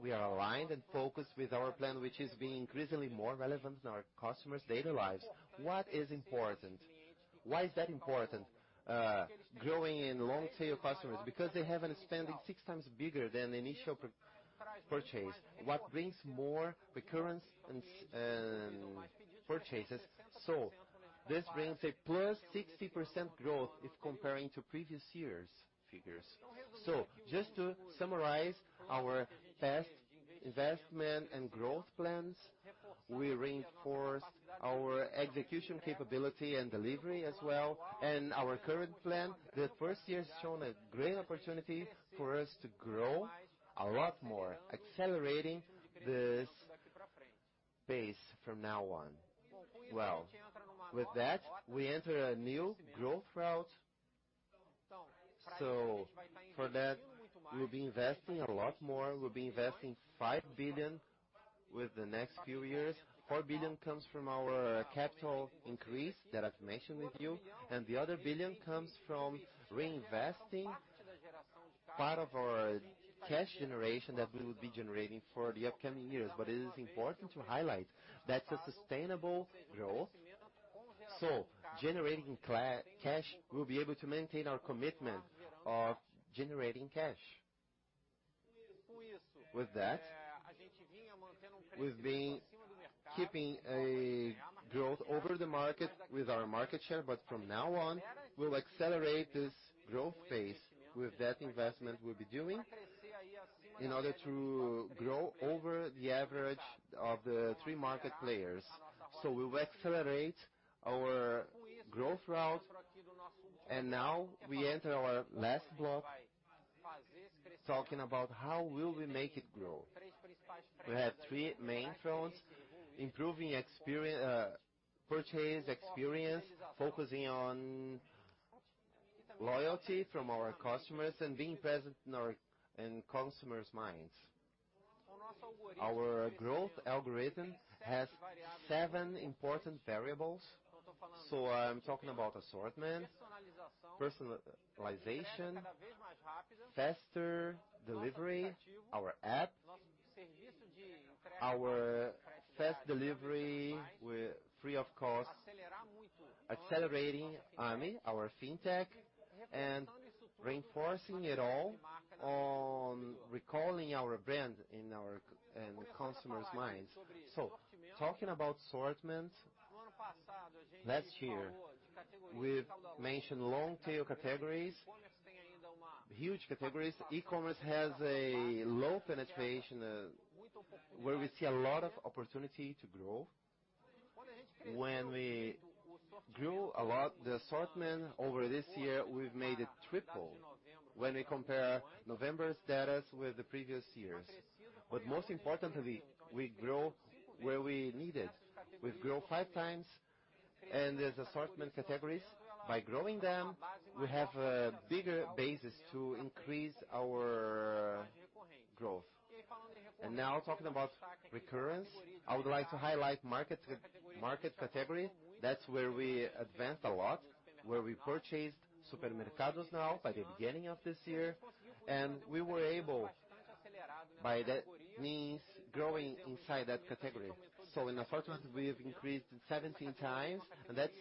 We are aligned and focused with our plan, which is being increasingly more relevant in our customers' daily lives. What is important? Why is that important, growing in long-tail customers? Because they have been spending six times bigger than the initial purchase, what brings more recurrence and purchases. This brings a plus 60% growth if comparing to previous years' figures. Just to summarize our past investment and growth plans, we reinforce our execution capability and delivery as well, and our current plan. The first year has shown a great opportunity for us to grow a lot more, accelerating this pace from now on. With that, we enter a new growth route. For that, we'll be investing a lot more. We'll be investing 5 billion with the next few years. 4 billion comes from our capital increase that I've mentioned with you, and the other 1 billion comes from reinvesting part of our cash generation that we will be generating for the upcoming years. It is important to highlight that's a sustainable growth. Generating cash, we'll be able to maintain our commitment of generating cash. With that, we've been keeping a growth over the market with our market share. From now on, we'll accelerate this growth phase with that investment we'll be doing in order to grow over the average of the three market players. We will accelerate our growth route, and now we enter our last block, talking about how will we make it grow. We have three main fronts, improving purchase experience, focusing on loyalty from our customers, and being present in consumers' minds. Our growth algorithm has seven important variables. I'm talking about assortment, personalization, faster delivery, our app, our fast delivery free of cost, accelerating Ame, our fintech. And reinforcing it all on recalling our brand in the customers' minds. Talking about assortment, last year, we've mentioned long tail categories, huge categories. E-commerce has a low penetration, where we see a lot of opportunity to grow. We grew a lot the assortment over this year, we've made it triple when we compare November status with the previous years. Most importantly, we grow where we need it. We've grown five times and there's assortment categories. By growing them, we have a bigger basis to increase our growth. Now talking about recurrence, I would like to highlight Americanas Mercado category. That's where we advanced a lot, where we purchased Supermercado Now by the beginning of this year, and we were able, by that means, growing inside that category. In assortment, we've increased 17 times, and that's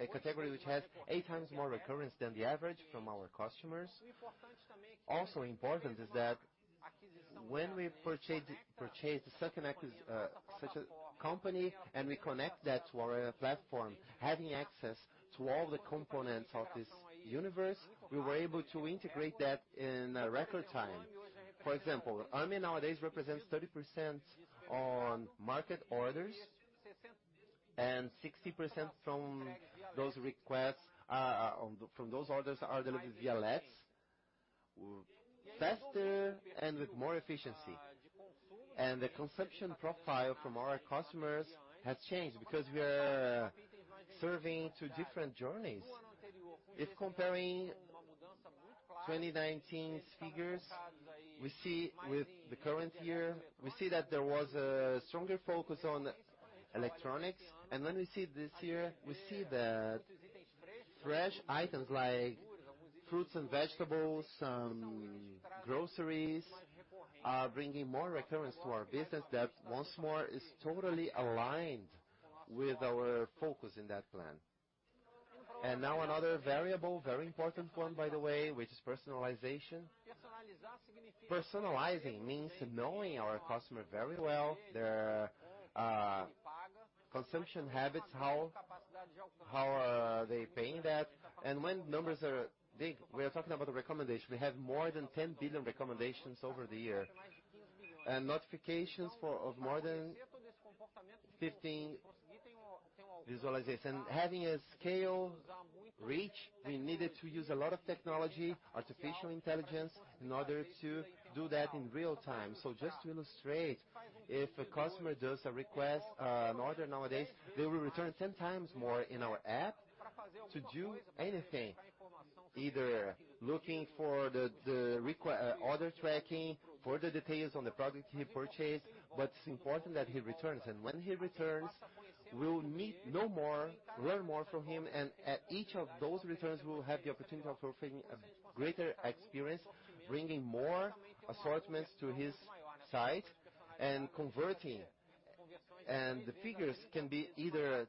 a category which has eight times more recurrence than the average from our customers. Also important is that when we purchase such a company and we connect that to our platform, having access to all the components of Universo Americanas, we were able to integrate that in record time. For example, Ame nowadays represents 30% on market orders, and 60% from those orders are delivered via Let's. Faster and with more efficiency. The consumption profile from our customers has changed because we are serving two different journeys. If comparing 2019 figures with the current year, we see that there was a stronger focus on electronics. When we see this year, we see that fresh items like fruits and vegetables, some groceries are bringing more recurrence to our business. That, once more, is totally aligned with our focus in that plan. Now another variable, very important one, by the way, which is personalization. Personalizing means knowing our customer very well, their consumption habits, how are they paying that. When numbers are big, we are talking about the recommendation. We have more than 10 billion recommendations over the year, and notifications of more than 15 visualization having a scale reach, We needed to use a lot of technology, artificial intelligence, in order to do that in real time. Just to illustrate, if a customer does a request, an order nowadays, they will return 10 times more in our app to do anything, either looking for the order tracking, for the details on the product he purchased. It's important that he returns, when he returns, we'll learn more from him, at each of those returns, we will have the opportunity of offering a greater experience, bringing more assortments to his site and converting. The figures can be either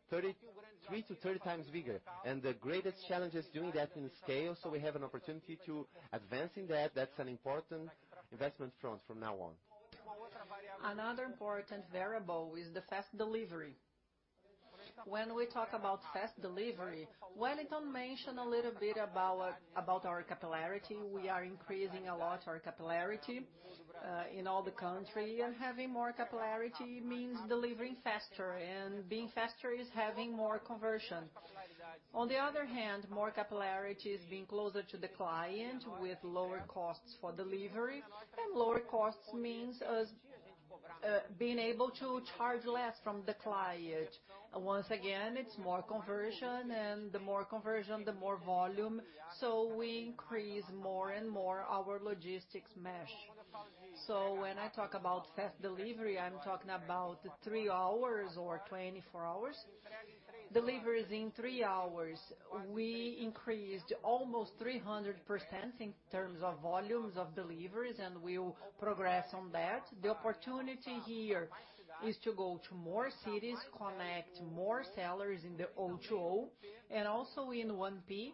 three to 30 times bigger, the greatest challenge is doing that in scale, we have an opportunity to advancing that. That's an important investment front from now on. Another important variable is the fast delivery. When we talk about fast delivery, Wellington mentioned a little bit about our capillarity. We are increasing a lot our capillarity in all the country. Having more capillarity means delivering faster, and being faster is having more conversion. On the other hand, more capillarity is being closer to the client with lower costs for delivery. Lower costs means us being able to charge less from the client. Once again, it's more conversion, and the more conversion, the more volume. We increase more and more our logistics mesh. When I talk about fast delivery, I'm talking about three hours or 24 hours. Deliveries in three hours, we increased almost 300% in terms of volumes of deliveries, and we will progress on that. The opportunity here is to go to more cities, connect more sellers in the O2O, and also in 1P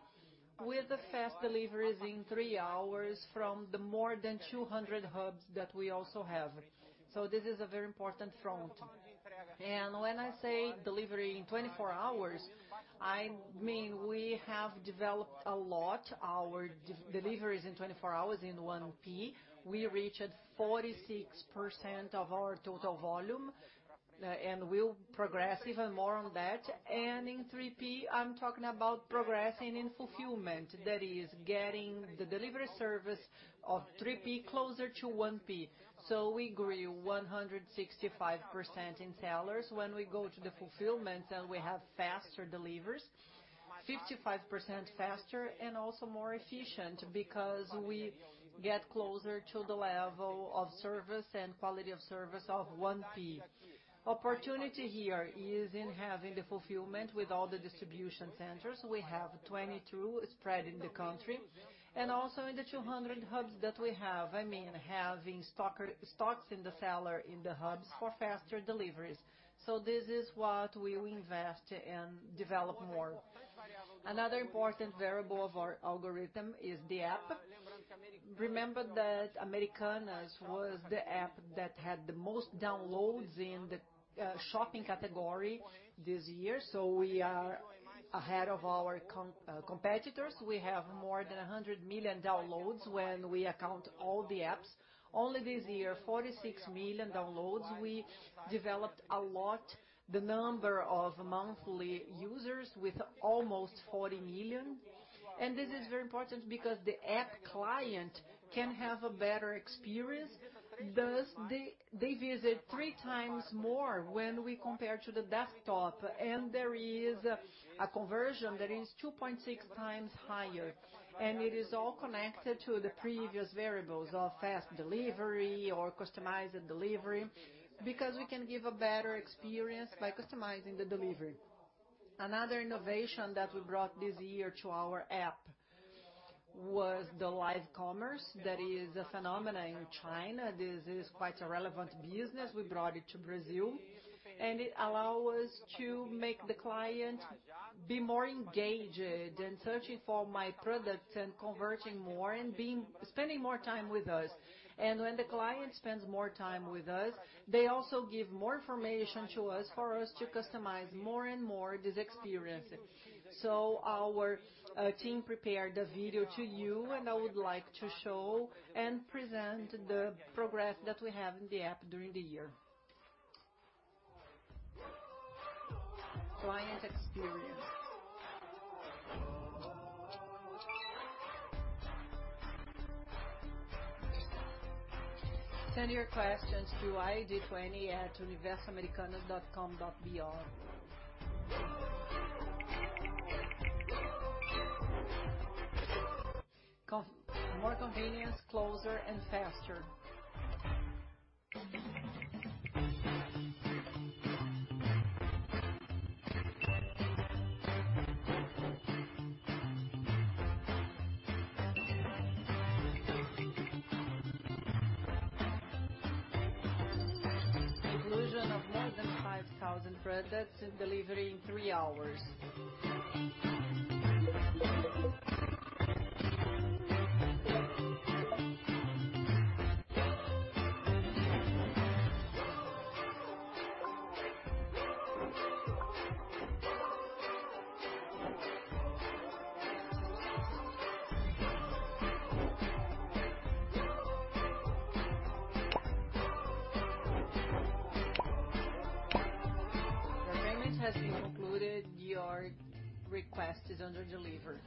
with the fast deliveries in three hours from the more than 200 hubs that we also have. This is a very important front. When I say delivery in 24 hours, I mean we have developed a lot our deliveries in 24 hours in 1P. We reached 46% of our total volume, and we'll progress even more on that. In 3P, I'm talking about progressing in fulfillment, that is getting the delivery service of 3P closer to 1P. We grew 165% in sellers when we go to the fulfillment and we have faster deliveries, 55% faster and also more efficient because we get closer to the level of service and quality of service of 1P. Opportunity here is in having the fulfillment with all the distribution centers. We have 22 spread in the country. Also in the 200 hubs that we have. Having stocks in the seller in the hubs for faster deliveries. This is what we will invest in and develop more. Another important variable of our algorithm is the app. Remember that Americanas was the app that had the most downloads in the shopping category this year, so we are ahead of our competitors. We have more than 100 million downloads when we account all the apps. Only this year, 46 million downloads. We developed a lot the number of monthly users with almost 40 million. This is very important because the app client can have a better experience. Thus, they visit three times more when we compare to the desktop and there is a conversion that is 2.6 times higher. It is all connected to the previous variables of fast delivery or customized delivery, because we can give a better experience by customizing the delivery. Another innovation that we brought this year to our app was the live commerce. That is a phenomenon in China. This is quite a relevant business. We brought it to Brazil, and it allow us to make the client be more engaged in searching for my products and converting more and spending more time with us. When the client spends more time with us, they also give more information to us for us to customize more and more this experience. Our team prepared a video to you, and I would like to show and present the progress that we have in the app during the year. Client experience. Send your questions to id20@universoamericanas.com.br. More convenience, closer and faster. Inclusion of more than 5,000 products and delivery in 3 hours. Your payment has been concluded. Your request is under deliver.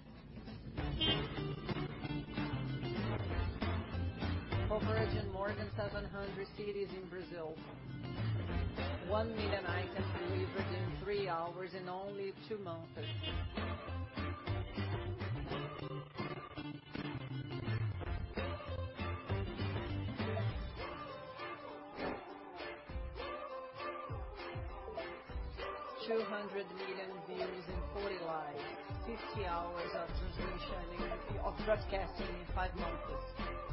Coverage in more than 700 cities in Brazil. 1 million items delivered in three hours in only two months. 200 million views in 40 lives. 50 hours of broadcasting in five months.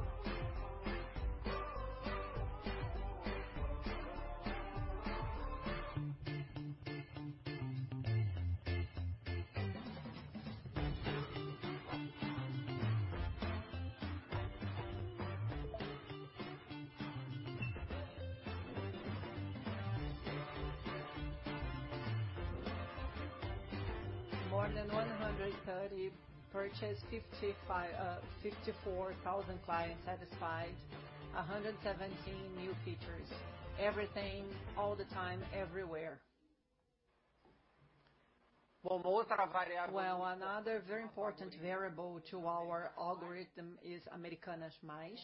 More than 130 purchase, 54,000 clients satisfied, 117 new features. Everything all the time, everywhere. Another very important variable to our algorithm is Americanas Mais.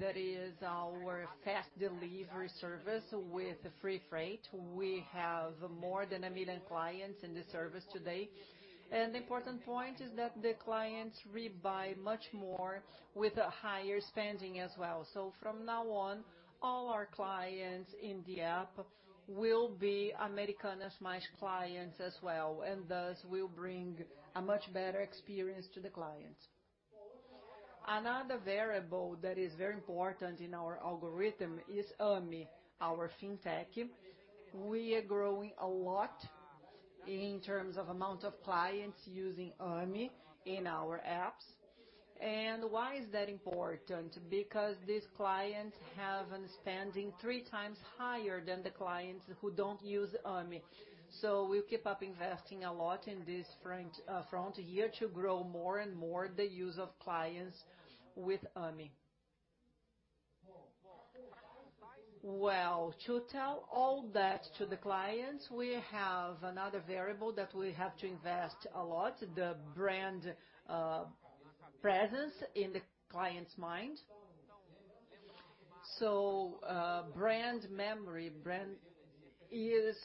That is our fast delivery service with free freight. We have more than 1 million clients in the service today. The important point is that the clients rebuy much more with a higher spending as well. From now on, all our clients in the app will be Americanas Mais clients as well, and thus will bring a much better experience to the clients. Another variable that is very important in our algorithm is Ame, our fintech. We are growing a lot in terms of amount of clients using Ame in our apps. Why is that important? Because these clients have a spending three times higher than the clients who don't use Ame. We'll keep up investing a lot in this front here to grow more and more the use of clients with Ame. Well, to tell all that to the clients, we have another variable that we have to invest a lot, the brand presence in the client's mind. Brand memory is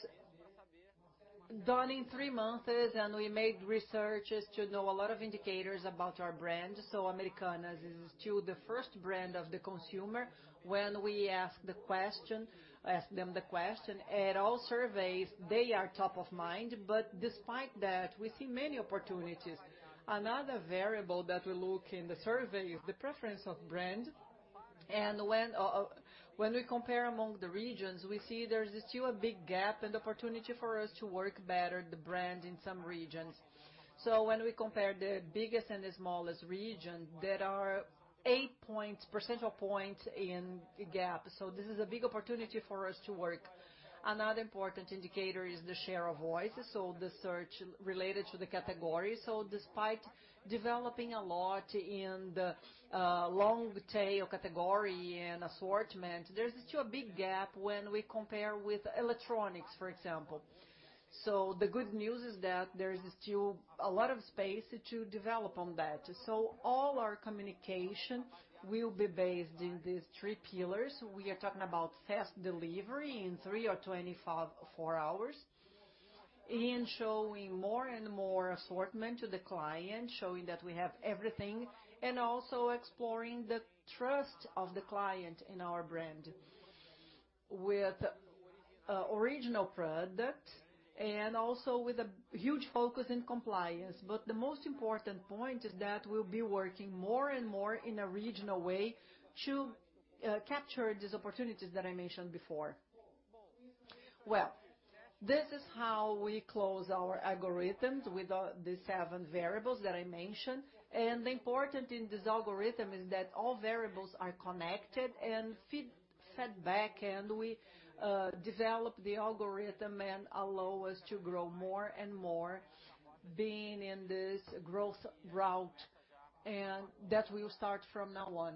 done in three months, and we made researches to know a lot of indicators about our brand. Americanas is still the first brand of the consumer when we ask them the question. At all surveys, they are top of mind, but despite that, we see many opportunities. Another variable that we look in the survey is the preference of brand. When we compare among the regions, we see there's still a big gap and opportunity for us to work better the brand in some regions. When we compare the biggest and the smallest region, there are eight points, percentage point in gap. This is a big opportunity for us to work. Another important indicator is the share of voice. The search related to the category. Despite developing a lot in the long tail category and assortment, there's still a big gap when we compare with electronics, for example. The good news is that there is still a lot of space to develop on that. All our communication will be based in these three pillars. We are talking about fast delivery in three or 24 hours, also exploring the trust of the client in our brand with original product and also with a huge focus in compliance. The most important point is that we'll be working more and more in a regional way to capture these opportunities that I mentioned before. Well, this is how we close our algorithms with the seven variables that I mentioned. The important in this algorithm is that all variables are connected and fed back and we develop the algorithm and allow us to grow more and more being in this growth route. That will start from now on.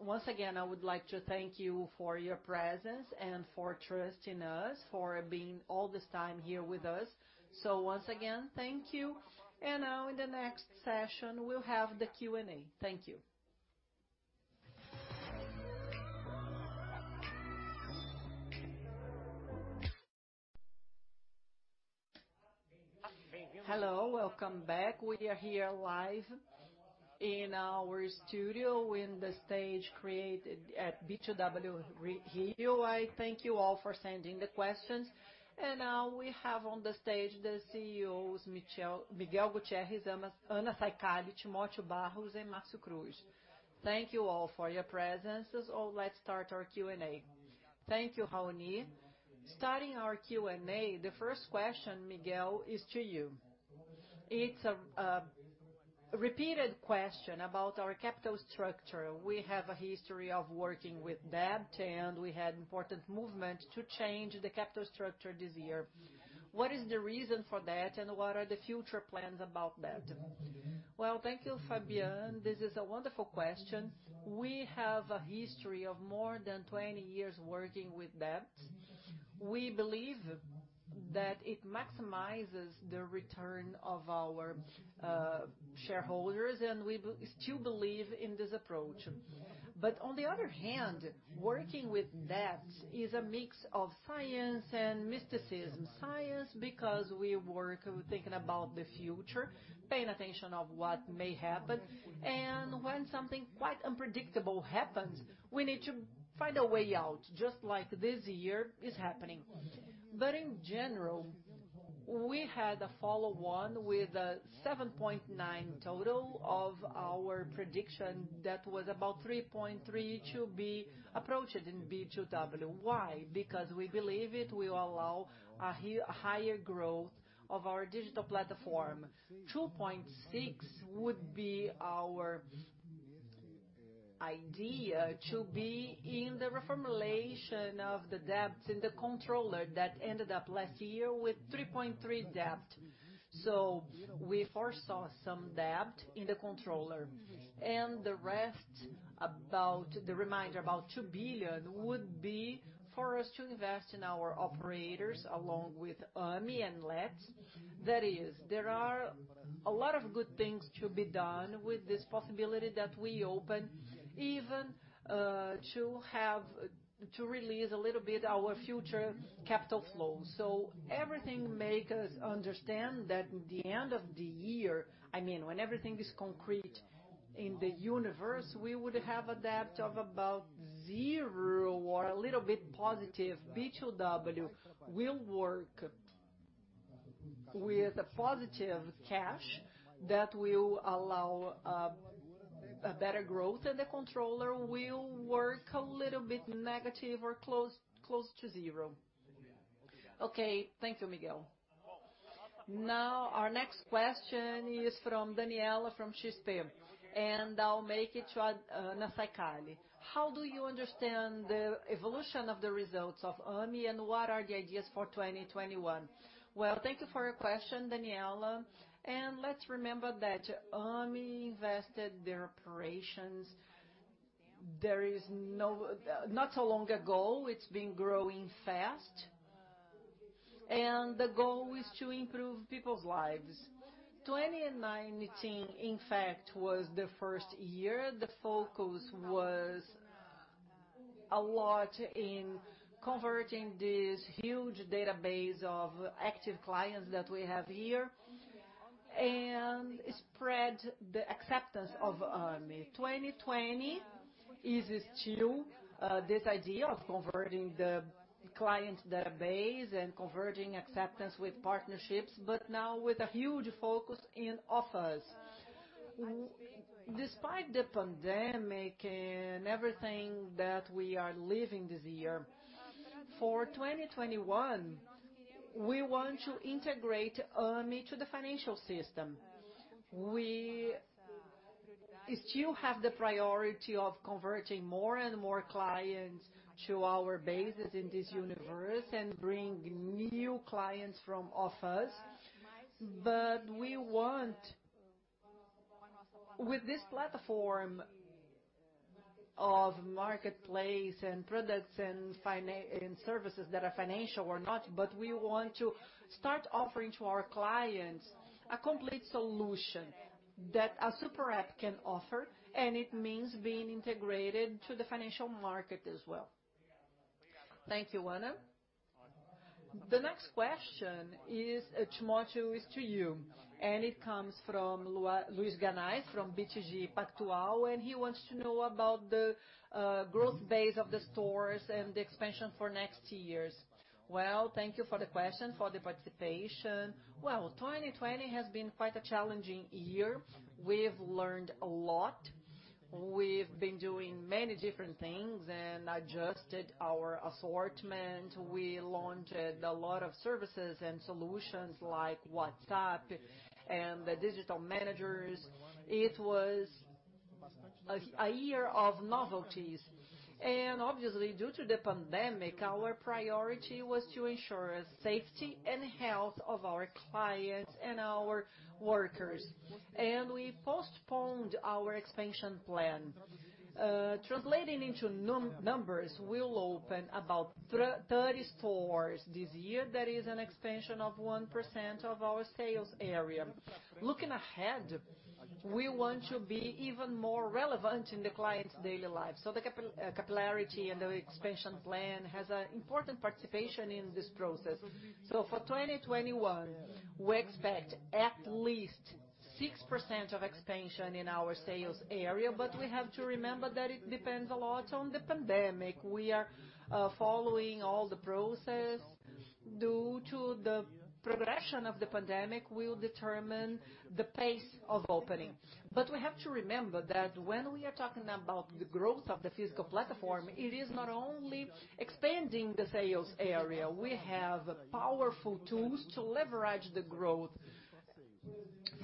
Once again, I would like to thank you for your presence and for trusting us, for being all this time here with us. Once again, thank you. Now in the next session, we'll have the Q&A. Thank you. Hello. Welcome back. We are here live in our studio in the stage created at B2W Rio. I thank you all for sending the questions. Now we have on the stage the CEOs, Miguel Gutierrez, Anna Saicali, Timotheo Barros, and Marcio Cruz. Thank you all for your presence. Let's start our Q&A. Thank you, Raoni. Starting our Q&A, the first question, Miguel, is to you. It's a repeated question about our capital structure. We have a history of working with debt, and we had important movement to change the capital structure this year. What is the reason for that, and what are the future plans about that? Well, thank you, Fabien. This is a wonderful question. We have a history of more than 20 years working with debt. We believe that it maximizes the return of our shareholders, and we still believe in this approach. On the other hand, working with debt is a mix of science and mysticism. Science because we work with thinking about the future, paying attention of what may happen, and when something quite unpredictable happens, we need to find a way out, just like this year is happening. In general, we had a follow one with a 7.9 total of our prediction that was about 3.3 to be approached in B2W. Why? Because we believe it will allow a higher growth of our digital platform. 2.6 would be our idea to be in the reformulation of the debt in the controller that ended up last year with 3.3 debt. We foresaw some debt in the controller. The remainder, about 2 billion, would be for us to invest in our operators along with Ame and Let's. That is, there are a lot of good things to be done with this possibility that we open even to release a little bit our future capital flow. Everything make us understand that in the end of the year, I mean, when everything is concrete in the universe, we would have a debt of about zero or a little bit positive. B2W will work with a positive cash that will allow a better growth, and the controller will work a little bit negative or close to zero. Okay. Thank you, Miguel. Now, our next question is from Danniela, from XP, and I'll make it to Anna Saicali. How do you understand the evolution of the results of Ame and what are the ideas for 2021? Well, thank you for your question, Danniela. Let's remember that Ame invested their operations. There is not so long ago, it's been growing fast. The goal is to improve people's lives. 2019, in fact, was the first year the focus was a lot in converting this huge database of active clients that we have here and spread the acceptance of Ame. 2020 is still this idea of converting the client database and converting acceptance with partnerships, now with a huge focus in offers. Despite the pandemic and everything that we are living this year, for 2021, we want to integrate Ame to the financial system. We still have the priority of converting more and more clients to our bases in this universe and bring new clients from offers. We want with this platform of marketplace and products and services that are financial or not, we want to start offering to our clients a complete solution that a super app can offer, and it means being integrated to the financial market as well. Thank you, Anna. The next question is, Timotheo, is to you. It comes from Luiz Guanais from BTG Pactual. He wants to know about the growth base of the stores and the expansion for next years. Well, thank you for the question, for the participation. Well, 2020 has been quite a challenging year. We've learned a lot. We've been doing many different things and adjusted our assortment. We launched a lot of services and solutions like WhatsApp and the digital managers. It was a year of novelties. Obviously, due to the pandemic, our priority was to ensure safety and health of our clients and our workers. We postponed our expansion plan. Translating into numbers, we'll open about 30 stores this year. That is an expansion of 1% of our sales area. Looking ahead, we want to be even more relevant in the client's daily life. The capillarity and the expansion plan has an important participation in this process. For 2021, we expect at least 6% of expansion in our sales area, but we have to remember that it depends a lot on the pandemic. We are following all the process. Due to the progression of the pandemic, we'll determine the pace of opening. We have to remember that when we are talking about the growth of the physical platform, it is not only expanding the sales area. We have powerful tools to leverage the growth.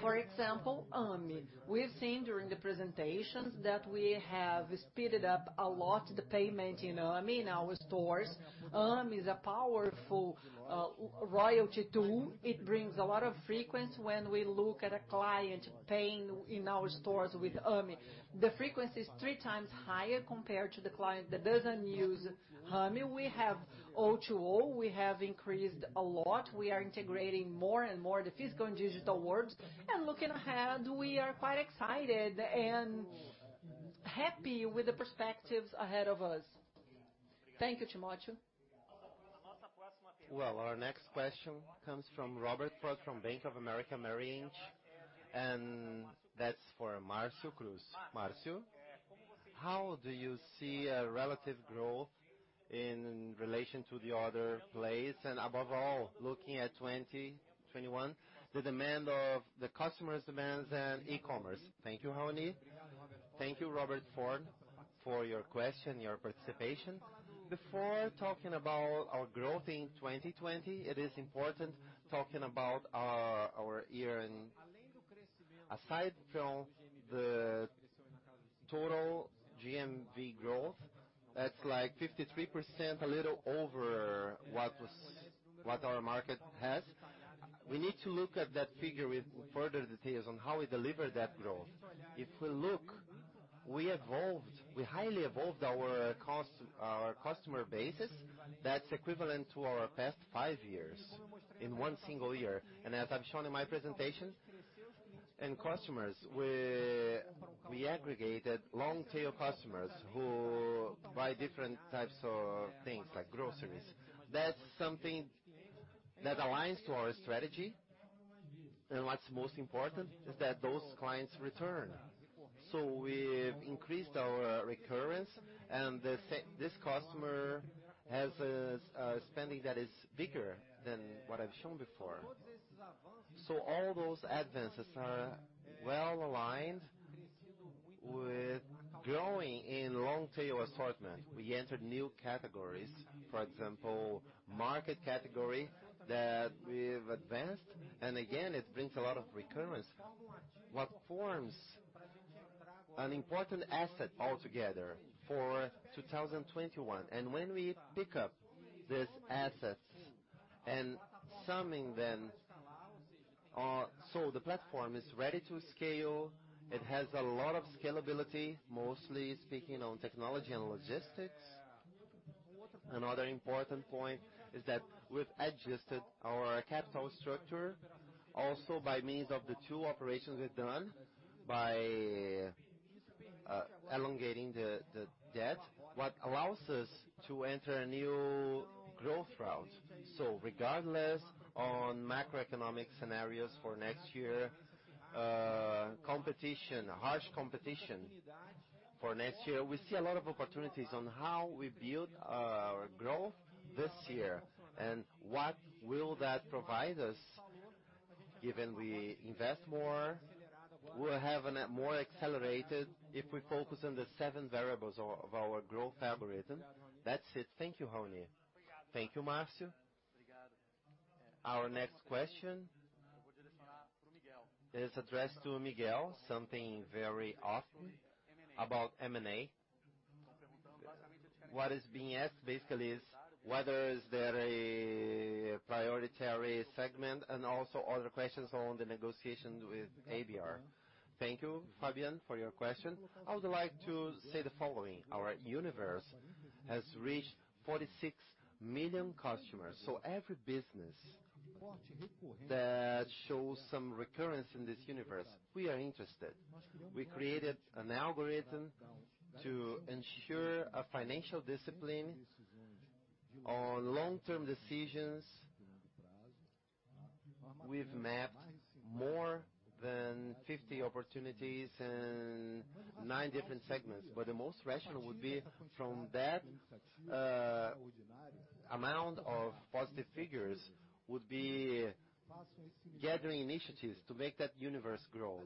For example, Ame. We've seen during the presentations that we have speeded up a lot the payment in Ame in our stores. Ame is a powerful loyalty tool. It brings a lot of frequency when we look at a client paying in our stores with Ame. The frequency is three times higher compared to the client that doesn't use Ame. We have O2O, we have increased a lot. We are integrating more and more the physical and digital worlds. Looking ahead, we are quite excited and happy with the perspectives ahead of us. Thank you, Timotheo. Our next question comes from Robert Ford from Bank of America Merrill Lynch, and that's for Marcio Cruz. Marcio, how do you see a relative growth in relation to the other place and above all, looking at 2021, the demand of the customer's demands and e-commerce? Thank you, Raoni. Thank you, Robert Ford, for your question, your participation. Before talking about our growth in 2020, it is important talking about our year. Aside from the total GMV growth, that's like 53%, a little over what our market has. We need to look at that figure with further details on how we deliver that growth. If we look, we highly evolved our customer bases. That's equivalent to our past five years in one single year. As I've shown in my presentation, in customers, we aggregated long-tail customers who buy different types of things like groceries. That's something that aligns to our strategy. What's most important is that those clients return. We've increased our recurrence, and this customer has a spending that is bigger than what I've shown before. All those advances are well-aligned with growing in long-tail assortment. We entered new categories, for example, Americanas Mercado that we've advanced. Again, it brings a lot of recurrence, what forms an important asset altogether for 2021. When we pick up these assets and summing them, the platform is ready to scale. It has a lot of scalability, mostly speaking on technology and logistics. Another important point is that we've adjusted our capital structure also by means of the two operations we've done by elongating the debt, what allows us to enter a new growth route. Regardless on macroeconomic scenarios for next yearCompetition, harsh competition for next year. We see a lot of opportunities on how we build our growth this year and what will that provide us, given we invest more, we'll have a more accelerated if we focus on the seven variables of our growth algorithm. That's it. Thank you, Raoni. Thank you, Marcio. Our next question is addressed to Miguel, something very often about M&A. What is being asked basically is whether is there a prioritary segment and also other questions on the negotiations with BR? Thank you, Fabien, for your question. I would like to say the following. Our universe has reached 46 million customers. Every business that shows some recurrence in this universe, we are interested. We created an algorithm to ensure a financial discipline on long-term decisions. We've mapped more than 50 opportunities in nine different segments. The most rational would be from that amount of positive figures would be gathering initiatives to make that universe grow.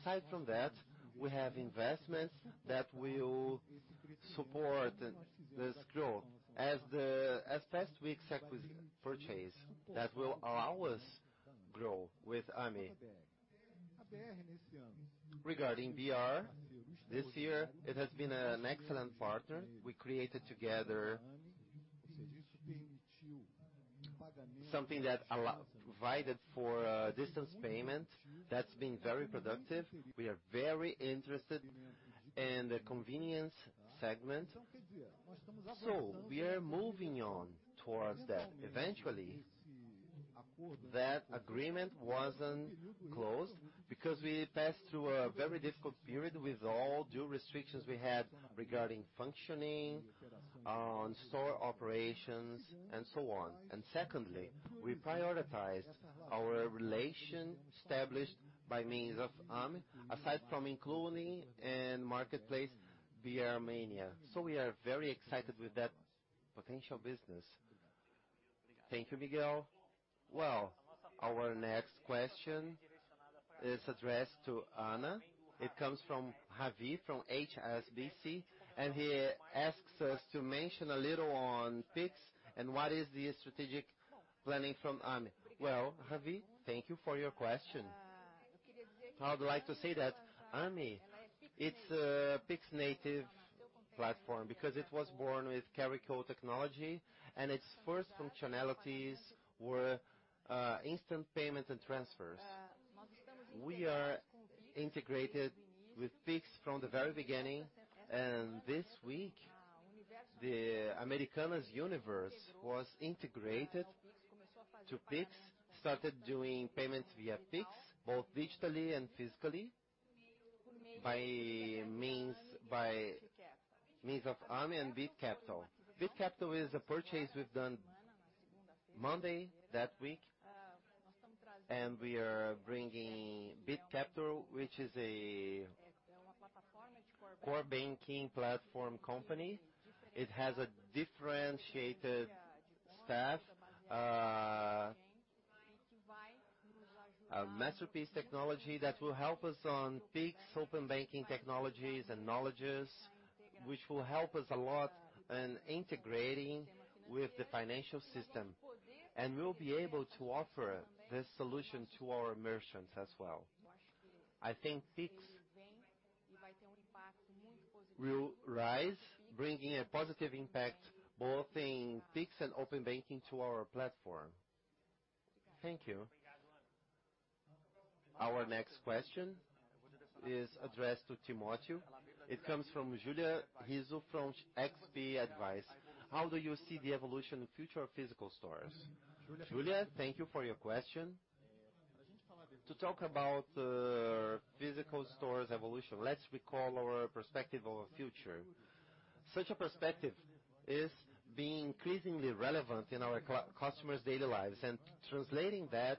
Aside from that, we have investments that will support this growth. As past weeks purchase that will allow us grow with Ame. Regarding BR, this year it has been an excellent partner. We created together something that provided for distance payment that's been very productive. We are very interested in the convenience segment. We are moving on towards that. Eventually, that agreement wasn't closed because we passed through a very difficult period with all due restrictions we had regarding functioning, on store operations, and so on. Secondly, we prioritized our relation established by means of Ame, aside from including in marketplace BR Mania. We are very excited with that potential business. Thank you, Miguel. Well, our next question is addressed to Anna. It comes from Ravi, from HSBC. He asks us to mention a little on Pix and what is the strategic planning from Ame. Well, Ravi, thank you for your question. I would like to say that Ame, it's a Pix native platform because it was born with QR code technology, and its first functionalities were instant payment and transfers. We are integrated with Pix from the very beginning. This week, the Universo Americanas was integrated to Pix, started doing payments via Pix, both digitally and physically, by means of Ame and Bit Capital. Bit Capital is a purchase we've done Monday that week. We are bringing Bit Capital, which is a core banking platform company. It has a differentiated staff, a masterpiece technology that will help us on Pix open banking technologies and knowledges, which will help us a lot in integrating with the financial system. We'll be able to offer this solution to our merchants as well. I think Pix will rise, bringing a positive impact both in Pix and open banking to our platform. Thank you. Our next question is addressed to Timotheo. It comes from Julia Rizzo from XP Advisory. How do you see the evolution future of physical stores? Julia, thank you for your question. To talk about physical stores evolution, let's recall our perspective of our future. Such a perspective is being increasingly relevant in our customers' daily lives, and it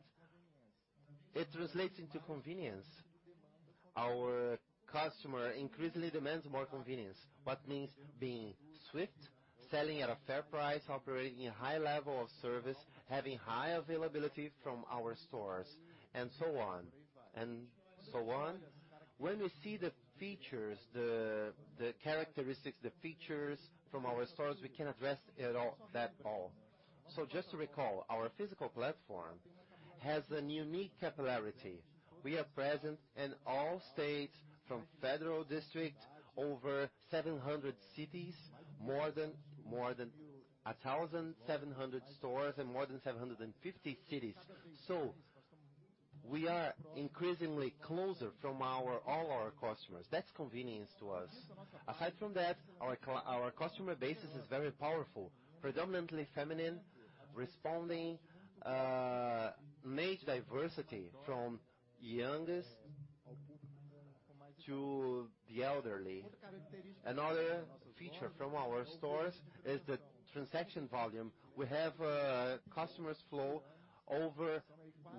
translates into convenience. Our customer increasingly demands more convenience. What means being swift, selling at a fair price, operating a high level of service, having high availability from our stores, and so on. When we see the features, the characteristics, the features from our stores, we can address that all. Just to recall, our physical platform has a unique capillarity. We are present in all states from Federal District, over 700 cities, more than 1,700 stores and more than 750 cities. We are increasingly closer from all our customers. That's convenience to us. Aside from that, our customer base is very powerful, predominantly feminine, responding, age diversity from youngest to the elderly. Another feature from our stores is the transaction volume. We have a customers flow over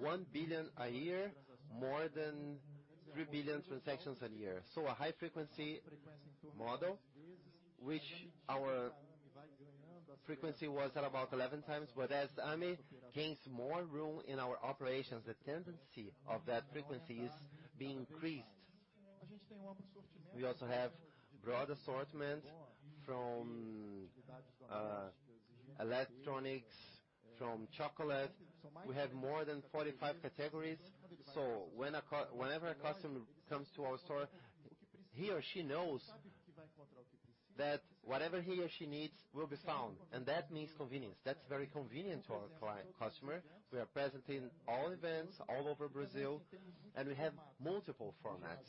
1 billion a year, more than 3 billion transactions a year. A high frequency model, which our frequency was at about 11 times, but as Ame gains more room in our operations, the tendency of that frequency is being increased. We also have broad assortment from electronics, from chocolate. We have more than 45 categories. Whenever a customer comes to our store, he or she knows that whatever he or she needs will be found, and that means convenience. That's very convenient to our customer. We are present in all events, all over Brazil, and we have multiple formats.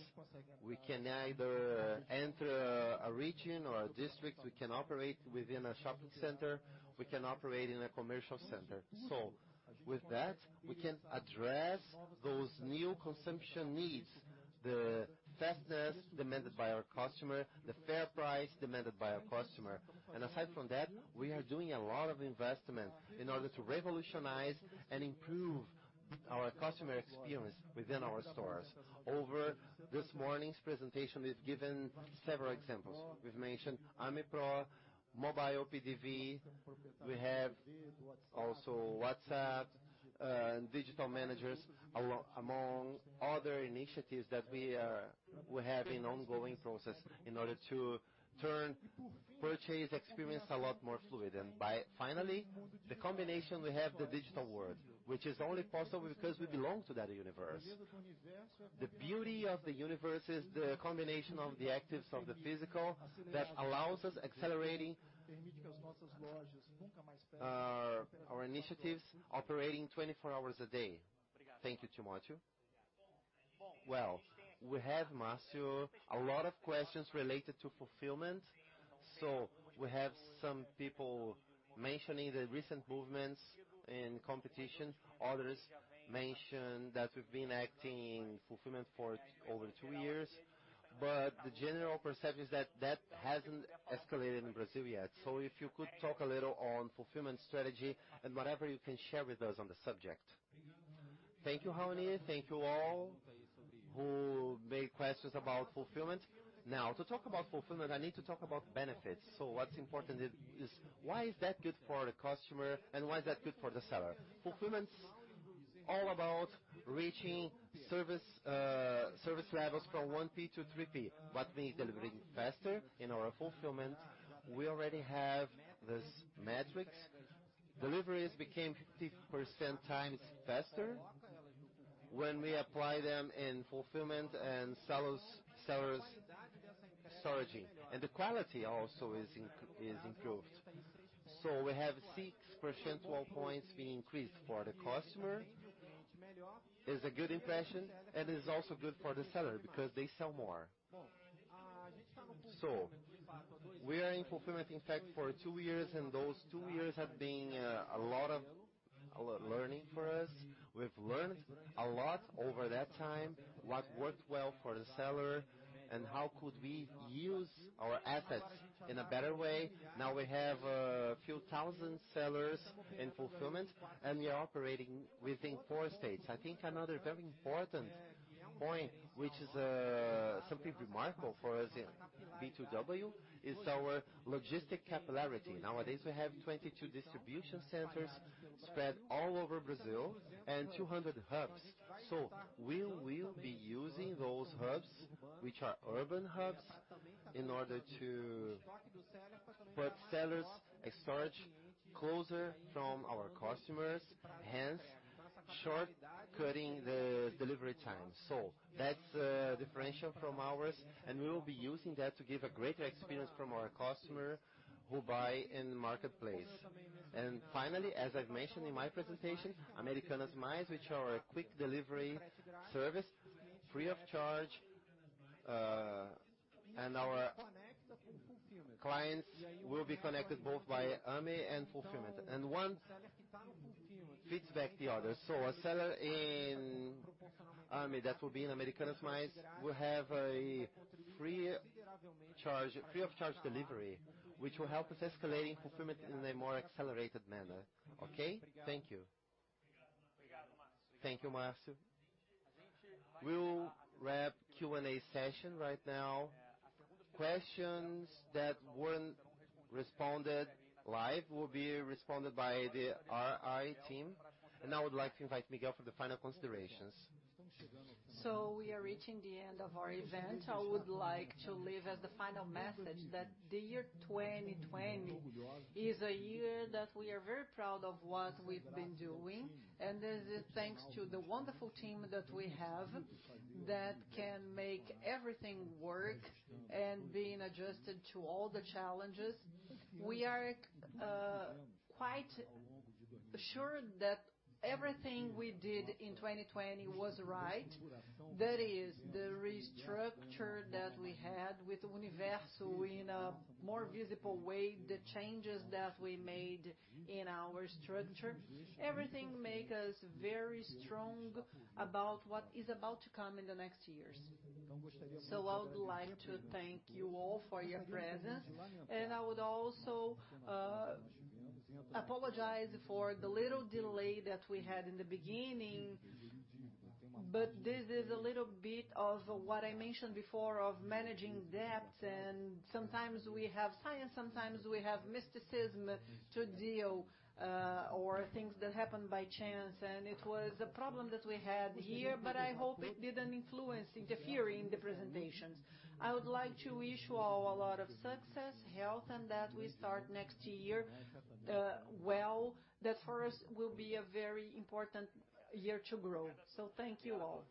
We can either enter a region or a district. We can operate within a shopping center. We can operate in a commercial center. With that, we can address those new consumption needs, the fastness demanded by our customer, the fair price demanded by our customer. Aside from that, we are doing a lot of investment in order to revolutionize and improve our customer experience within our stores. Over this morning's presentation, we've given several examples. We've mentioned Ame Pro, Mobile PDV. We have also WhatsApp and digital managers, among other initiatives that we have in ongoing process in order to turn purchase experience a lot more fluid. Finally, the combination, we have the digital world, which is only possible because we belong to that universe. The beauty of the universe is the combination of the assets of the physical that allows us accelerating our initiatives operating 24 hours a day. Thank you, Timotheo. Well, we have, Marcio, a lot of questions related to fulfillment. We have some people mentioning the recent movements in competition. Others mention that we've been acting in fulfillment for over two years, but the general perception is that that hasn't escalated in Brazil yet. If you could talk a little on fulfillment strategy and whatever you can share with us on the subject. Thank you, Raoni. Thank you all who made questions about fulfillment. To talk about fulfillment, I need to talk about benefits. What's important is why is that good for the customer and why is that good for the seller? Fulfillment all about reaching service levels from 1P to 3P, what means delivering faster. In our fulfillment, we already have these metrics. Deliveries became 50% times faster when we apply them in fulfillment and sellers' storage. The quality also is improved. We have 6% wall points being increased for the customer. It's a good impression, and it's also good for the seller because they sell more. We are in fulfillment, in fact, for two years, and those two years have been a lot of learning for us. We've learned a lot over that time, what worked well for the seller and how could we use our assets in a better way. Now we have a few thousand sellers in fulfillment, and we are operating within four states. I think another very important point, which is something remarkable for us in B2W, is our logistic capillarity. Nowadays, we have 22 distribution centers spread all over Brazil and 200 hubs. We will be using those hubs, which are urban hubs, in order to put sellers' storage closer from our customers, hence short cutting the delivery time. That's a differential from ours, and we will be using that to give a greater experience from our customer who buy in the marketplace. Finally, as I've mentioned in my presentation, Americanas Mais, which are a quick delivery service, free of charge, and our clients will be connected both by Ame and fulfillment. One feeds back the other. A seller in Ame that will be in Americanas Mais will have a free of charge delivery, which will help us escalating fulfillment in a more accelerated manner. Okay, thank you. Thank you, Marcio. We'll wrap Q&A session right now. Questions that weren't responded live will be responded by the RI team, and I would like to invite Miguel for the final considerations. We are reaching the end of our event. I would like to leave as the final message that the year 2020 is a year that we are very proud of what we've been doing, and this is thanks to the wonderful team that we have that can make everything work and being adjusted to all the challenges. We are quite sure that everything we did in 2020 was right. That is the restructure that we had with Universo in a more visible way, the changes that we made in our structure. Everything make us very strong about what is about to come in the next years. I would like to thank you all for your presence, and I would also apologize for the little delay that we had in the beginning, but this is a little bit of what I mentioned before of managing that, and sometimes we have science, sometimes we have mysticism to deal or things that happen by chance. It was a problem that we had here, but I hope it didn't influence interfering the presentations. I would like to wish you all a lot of success, health, and that we start next year well. That for us will be a very important year to grow. Thank you all.